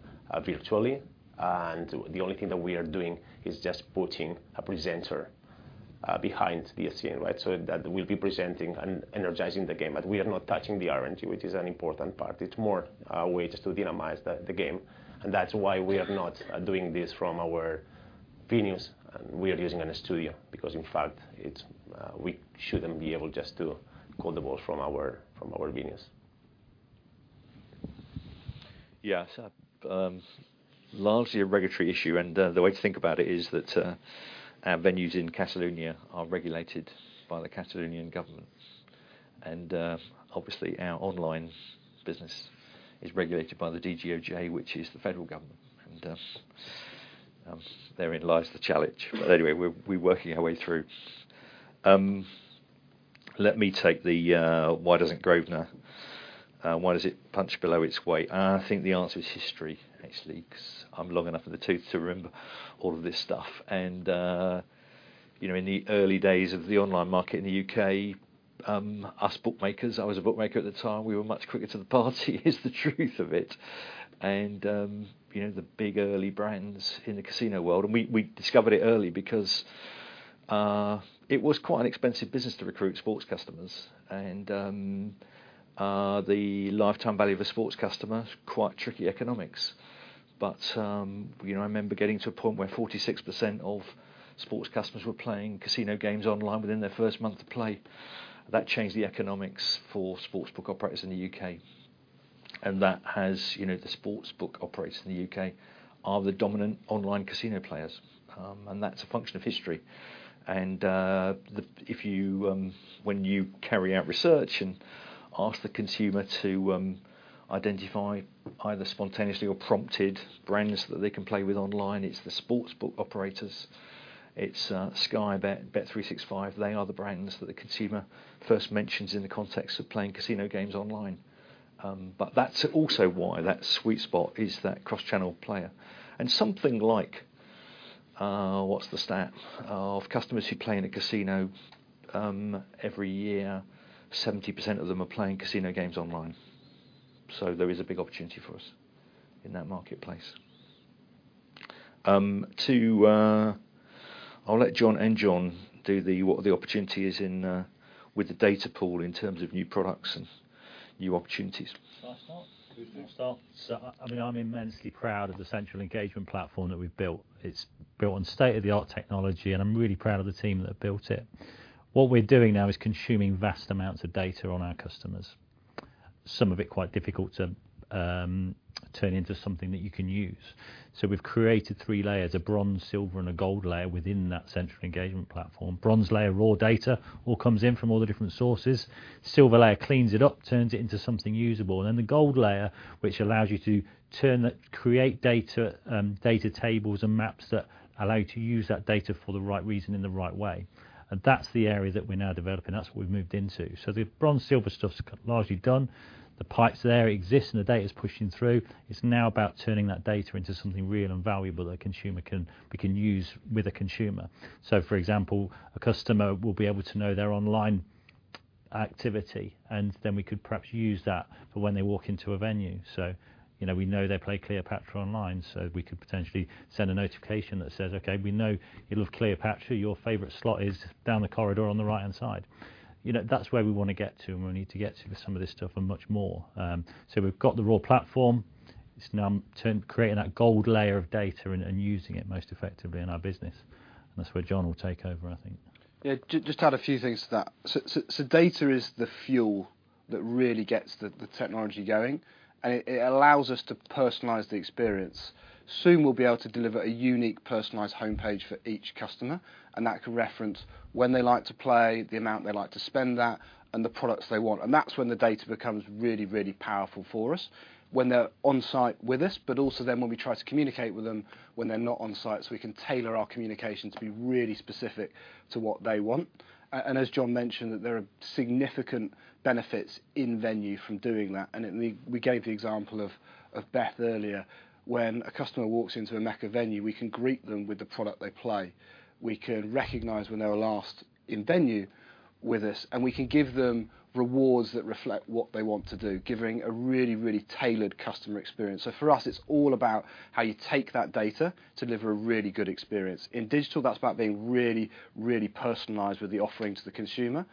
virtually, and the only thing that we are doing is just putting a presenter behind the scene, right? So that we'll be presenting and energizing the game, but we are not touching the RNG, which is an important part. It's more a way just to dynamize the game, and that's why we are not doing this from our venues, and we are using a studio, because in fact, it's we shouldn't be able just to call the balls from our venues. Yeah, so, largely a regulatory issue, and, the way to think about it is that, our venues in Catalonia are regulated by the Catalonian government. And, obviously, our online business is regulated by the DGOJ, which is the federal government, and, therein lies the challenge. But anyway, we're working our way through. Let me take the why doesn't Grosvenor why does it punch below its weight? I think the answer is history, actually, 'cause I'm long enough in the tooth to remember all of this stuff. And, you know, in the early days of the online market in the U.K., us bookmakers, I was a bookmaker at the time, we were much quicker to the party, is the truth of it. And, you know, the big early brands in the casino world... We discovered it early because it was quite an expensive business to recruit sports customers, and the lifetime value of a sports customer is quite tricky economics. But you know, I remember getting to a point where 46% of sports customers were playing casino games online within their first month of play. That changed the economics for sportsbook operators in the U.K., and that has, you know, the sportsbook operators in the U.K. are the dominant online casino players. That's a function of history. If you, when you carry out research and ask the consumer to identify either spontaneously or prompted brands that they can play with online, it's the sportsbook operators, it's Sky Bet, Bet365. They are the brands that the consumer first mentions in the context of playing casino games online. But that's also why that sweet spot is that cross-channel player. And something like, what's the stat? Of customers who play in a casino, every year, 70% of them are playing casino games online. So there is a big opportunity for us in that marketplace. I'll let Jon and Jon do the, what the opportunity is in, with the data pool in terms of new products and new opportunities. Can I start? Mm-hmm. I'll start. So, I mean, I'm immensely proud of the Central Engagement Platform that we've built. It's built on state-of-the-art technology, and I'm really proud of the team that built it. What we're doing now is consuming vast amounts of data on our customers, some of it quite difficult to turn into something that you can use. So we've created three layers, a bronze, silver, and a Gold layer within that Central Engagement Platform. Bronze layer, raw data, all comes in from all the different sources. Silver layer cleans it up, turns it into something usable. Then the Gold layer, which allows you to turn that, create data, data tables and maps that allow you to use that data for the right reason in the right way. And that's the area that we're now developing, that's what we've moved into. So the Bronze/Silver stuff's largely done. The pipes there exist, and the data is pushing through. It's now about turning that data into something real and valuable that we can use with a consumer. So, for example, a customer will be able to know their online activity, and then we could perhaps use that for when they walk into a venue. So, you know, we know they play Cleopatra online, so we could potentially send a notification that says, "Okay, we know you love Cleopatra. Your favorite slot is down the corridor on the right-hand side." You know, that's where we want to get to, and we need to get to with some of this stuff and much more. So we've got the raw platform. It's now creating that Gold layer of data and using it most effectively in our business. That's where John will take over, I think. Yeah, just add a few things to that. So data is the fuel that really gets the technology going, and it allows us to personalize the experience. Soon, we'll be able to deliver a unique, personalized homepage for each customer, and that can reference when they like to play, the amount they like to spend there, and the products they want. And that's when the data becomes really, really powerful for us, when they're on-site with us, but also then when we try to communicate with them when they're not on site, so we can tailor our communication to be really specific to what they want. And as John mentioned, that there are significant benefits in venue from doing that, and it. We gave the example of Beth earlier. When a customer walks into a Mecca venue, we can greet them with the product they play. We can recognize when they were last in venue with us, and we can give them rewards that reflect what they want to do, giving a really, really tailored customer experience. So for us, it's all about how you take that data to deliver a really good experience. In digital, that's about being really, really personalized with the offering to the consumer.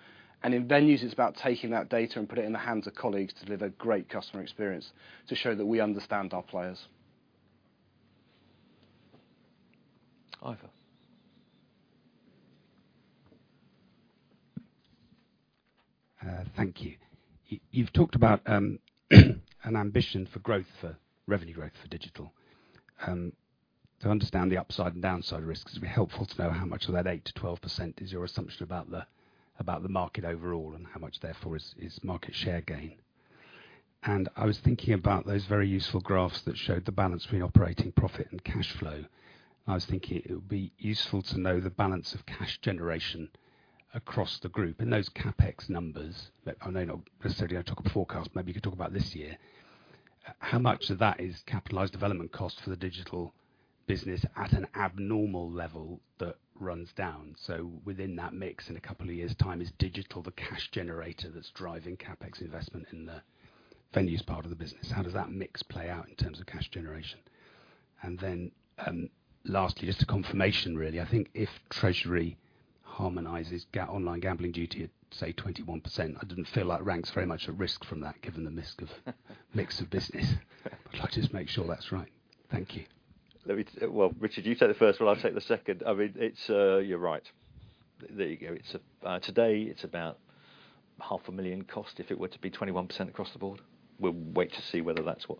In venues, it's about taking that data and put it in the hands of colleagues to deliver a great customer experience, to show that we understand our players. Ivor. Thank you. You've talked about an ambition for growth for revenue growth for digital. To understand the upside and downside risks, it'd be helpful to know how much of that 8%-12% is your assumption about the market overall, and how much therefore is market share gain? And I was thinking about those very useful graphs that showed the balance between operating profit and cash flow. I was thinking it would be useful to know the balance of cash generation across the group and those CapEx numbers. But I know you're not necessarily going to talk a forecast. Maybe you could talk about this year. How much of that is capitalized development cost for the digital business at an abnormal level that runs down? So within that mix, in a couple of years' time, is digital the cash generator that's driving CapEx investment in the venues part of the business? How does that mix play out in terms of cash generation? And then, lastly, just a confirmation, really. I think if Treasury harmonizes online gambling duty at, say, 21%, I didn't feel like Rank's very much at risk from that, given the mix of business. I'd like to just make sure that's right. Thank you. Well, Richard, you take the first one, I'll take the second. I mean, it's... You're right. There you go. It's today, it's about 500,000 cost if it were to be 21% across the board. We'll wait to see whether that's what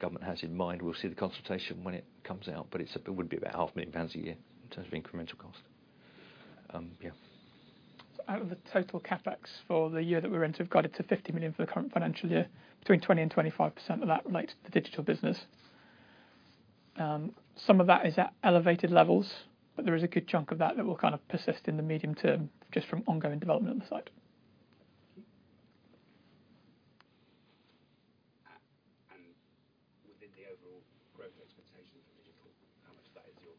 government has in mind. We'll see the consultation when it comes out, but it's, it would be about 500,000 pounds a year in terms of incremental cost. Yeah. Out of the total CapEx for the year that we're in, so we've guided to 50 million for the current financial year, between 20%-25% of that relates to the digital business. Some of that is at elevated levels, but there is a good chunk of that that will kind of persist in the medium term, just from ongoing development on the site. Within the overall growth expectations for digital, how much of that is your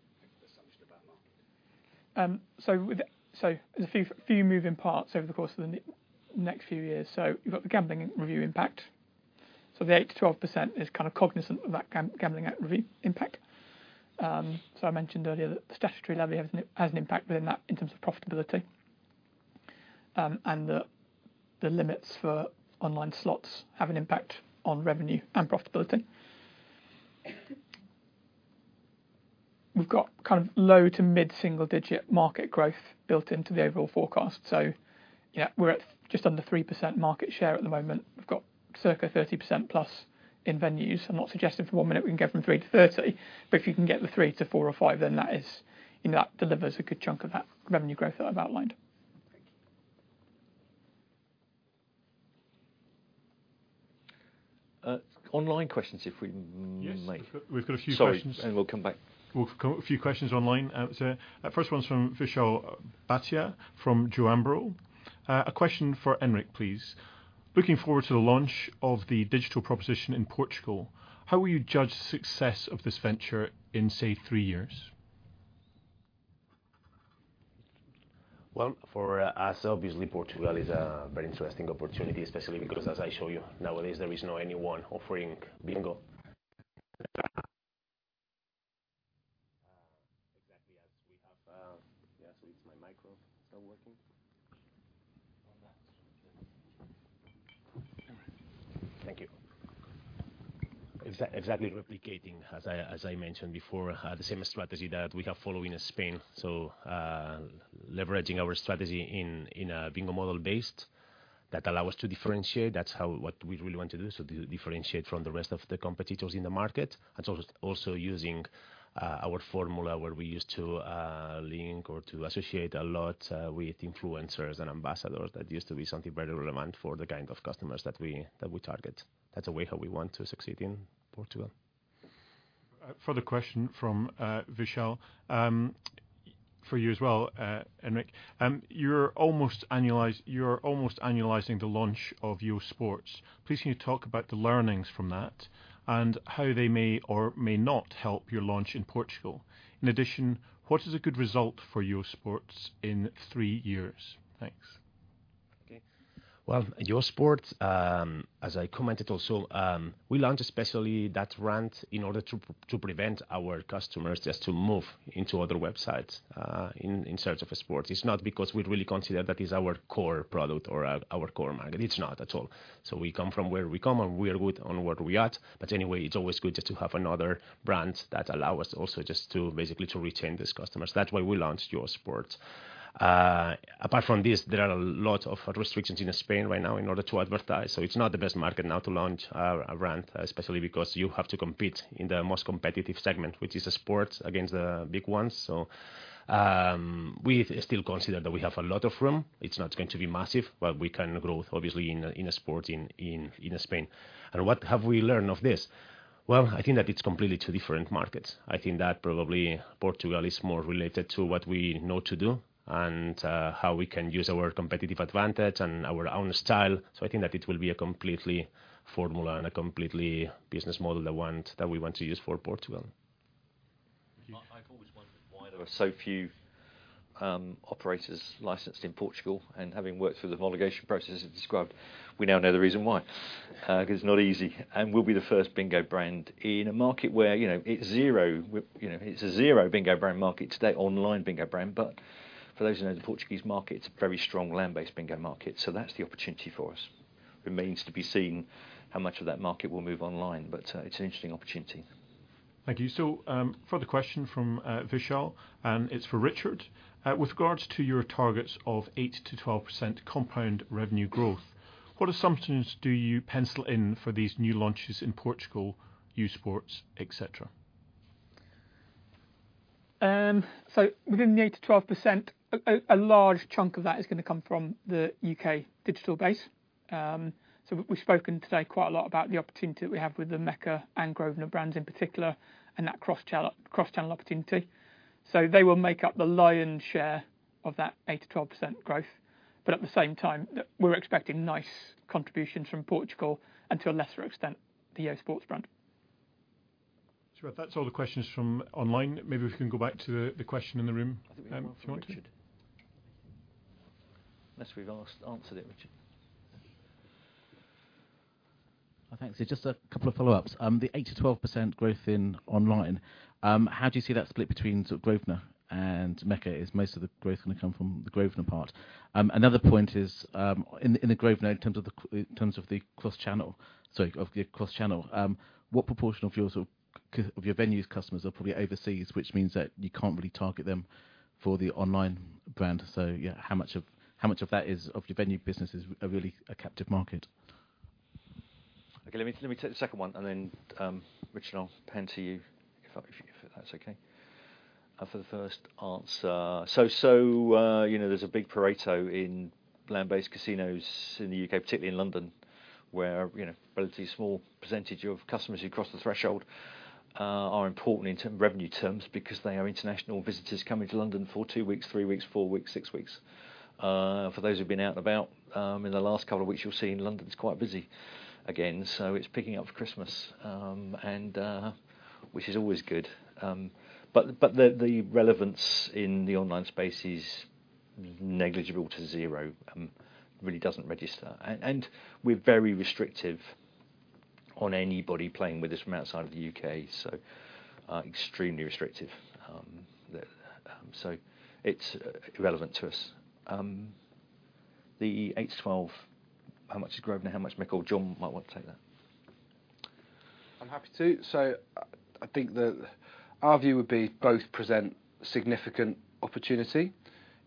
assumption about market? So there's a few moving parts over the course of the next few years. So you've got the gambling review impact. ... So the 8%-12% is kind of cognizant of that gambling review impact. So I mentioned earlier that the statutory levy has an impact within that in terms of profitability. And the limits for online slots have an impact on revenue and profitability. We've got kind of low to mid-single digit market growth built into the overall forecast. So yeah, we're at just under 3% market share at the moment. We've got circa 30%+ in venues. I'm not suggesting for one minute we can go from three to 30, but if you can get the three to four or five, then that is, you know, that delivers a good chunk of that revenue growth that I've outlined. Thank you. Online questions, if we may. Yes, we've got a few questions. Sorry, and we'll come back. We've got a few questions online, so first one's from Vishal Bhatia from Jefferies. A question for Enric, please. Looking forward to the launch of the digital proposition in Portugal, how will you judge success of this venture in, say, three years? Well, for us, obviously, Portugal is a very interesting opportunity, especially because, as I show you, nowadays, there is no anyone offering bingo. Exactly as we have. Yeah, so is my micro still working? Well, that's... Thank you. Exactly replicating, as I mentioned before, the same strategy that we have followed in Spain. So, leveraging our strategy in a bingo model based that allow us to differentiate, that's how what we really want to do. So to differentiate from the rest of the competitors in the market, and also using our formula, where we used to link or to associate a lot with influencers and ambassadors. That used to be something very relevant for the kind of customers that we target. That's the way how we want to succeed in Portugal. Further question from Vishal for you as well, Enric. You're almost annualized-- You're almost annualizing the launch of YoSports. Please can you talk about the learnings from that and how they may or may not help your launch in Portugal? In addition, what is a good result for YoSports in three years? Thanks. Okay. Well, YoSports, as I commented also, we launched especially that brand in order to to prevent our customers just to move into other websites, in search of a sport. It's not because we'd really consider that is our core product or our core market. It's not at all. So we come from where we come, and we are good on where we are at. But anyway, it's always good just to have another brand that allow us also just to basically to retain these customers. That's why we launched YoSports. Apart from this, there are a lot of restrictions in Spain right now in order to advertise, so it's not the best market now to launch a brand, especially because you have to compete in the most competitive segment, which is a sport against the big ones. So, we still consider that we have a lot of room. It's not going to be massive, but we can growth, obviously, in Spain. What have we learned of this? Well, I think that it's completely two different markets. I think that probably Portugal is more related to what we know to do and how we can use our competitive advantage and our own style. So I think that it will be a completely formula and a completely business model, the one that we want to use for Portugal. Thank you. I've always wondered why there are so few operators licensed in Portugal, and having worked through the homologation process as described, we now know the reason why. It's not easy, and we'll be the first bingo brand in a market where, you know, it's zero. You know, it's a zero bingo brand market today, online bingo brand, but for those who know the Portuguese market, it's a very strong land-based bingo market, so that's the opportunity for us. Remains to be seen how much of that market will move online, but it's an interesting opportunity. Thank you. Further question from Vishal, and it's for Richard. With regards to your targets of 8%-12% compound revenue growth, what assumptions do you pencil in for these new launches in Portugal, YoSports, et cetera? So within the 8%-12, a large chunk of that is gonna come from the U.K. digital base. So we've spoken today quite a lot about the opportunity that we have with the Mecca and Grosvenor brands in particular and that cross-channel opportunity. So they will make up the lion's share of that 8%-12% growth. But at the same time, we're expecting nice contributions from Portugal and, to a lesser extent, the YoSports brand. So that's all the questions from online. Maybe we can go back to the question in the room, if you want to. Richard. Unless we've asked, answered it, Richard. Thanks. So just a couple of follow-ups. The 8%-12% growth in online, how do you see that split between sort of Grosvenor and Mecca? Is most of the growth gonna come from the Grosvenor part? Another point is, in the Grosvenor, in terms of the cross-channel, sorry, of the cross-channel, what proportion of your, sort of, of your venues customers are probably overseas, which means that you can't really target them for the online brand? So yeah, how much of, how much of that is, of your venue businesses are really a captive market? Okay, let me take the second one, and then, Richard, I'll hand to you, if that's okay, for the first answer. So, you know, there's a big Pareto in land-based casinos in the U.K., particularly in London, where, you know, relatively small percentage of customers who cross the threshold are important in terms, revenue terms because they are international visitors coming to London for two weeks, three weeks, four weeks, six weeks. For those who've been out and about in the last couple of weeks, you'll see in London, it's quite busy again, so it's picking up for Christmas, and which is always good. But the relevance in the online space is negligible to zero, really doesn't register. We're very restrictive on anybody playing with us from outside of the U.K., so extremely restrictive. So it's irrelevant to us. The eight to 12, how much is Grosvenor, how much Mecca? Jon might want to take that. I'm happy to. So I think our view would be both present significant opportunity.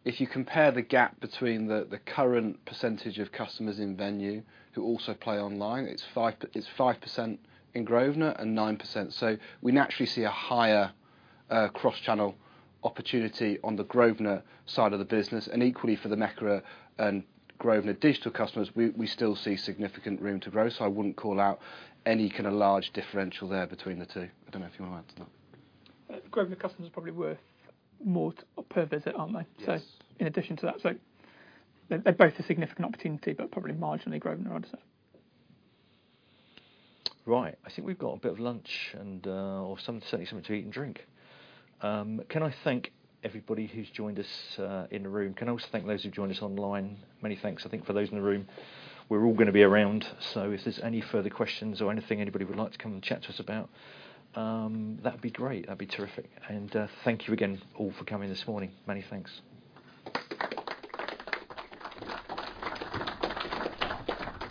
If you compare the gap between the current percentage of customers in venue who also play online, it's 5% in Grosvenor and 9%. So we naturally see a higher cross-channel opportunity on the Grosvenor side of the business, and equally for the Mecca and Grosvenor digital customers, we still see significant room to grow. So I wouldn't call out any kind of large differential there between the two. I don't know if you want to add to that. Grosvenor customers are probably worth more per visit, aren't they? Yes. So in addition to that, they're both a significant opportunity, but probably marginally Grosvenor, I'd say. Right. I think we've got a bit of lunch and, or some, certainly something to eat and drink. Can I thank everybody who's joined us in the room? Can I also thank those who've joined us online? Many thanks. I think for those in the room, we're all gonna be around, so if there's any further questions or anything anybody would like to come and chat to us about, that'd be great. That'd be terrific. Thank you again, all, for coming this morning. Many thanks.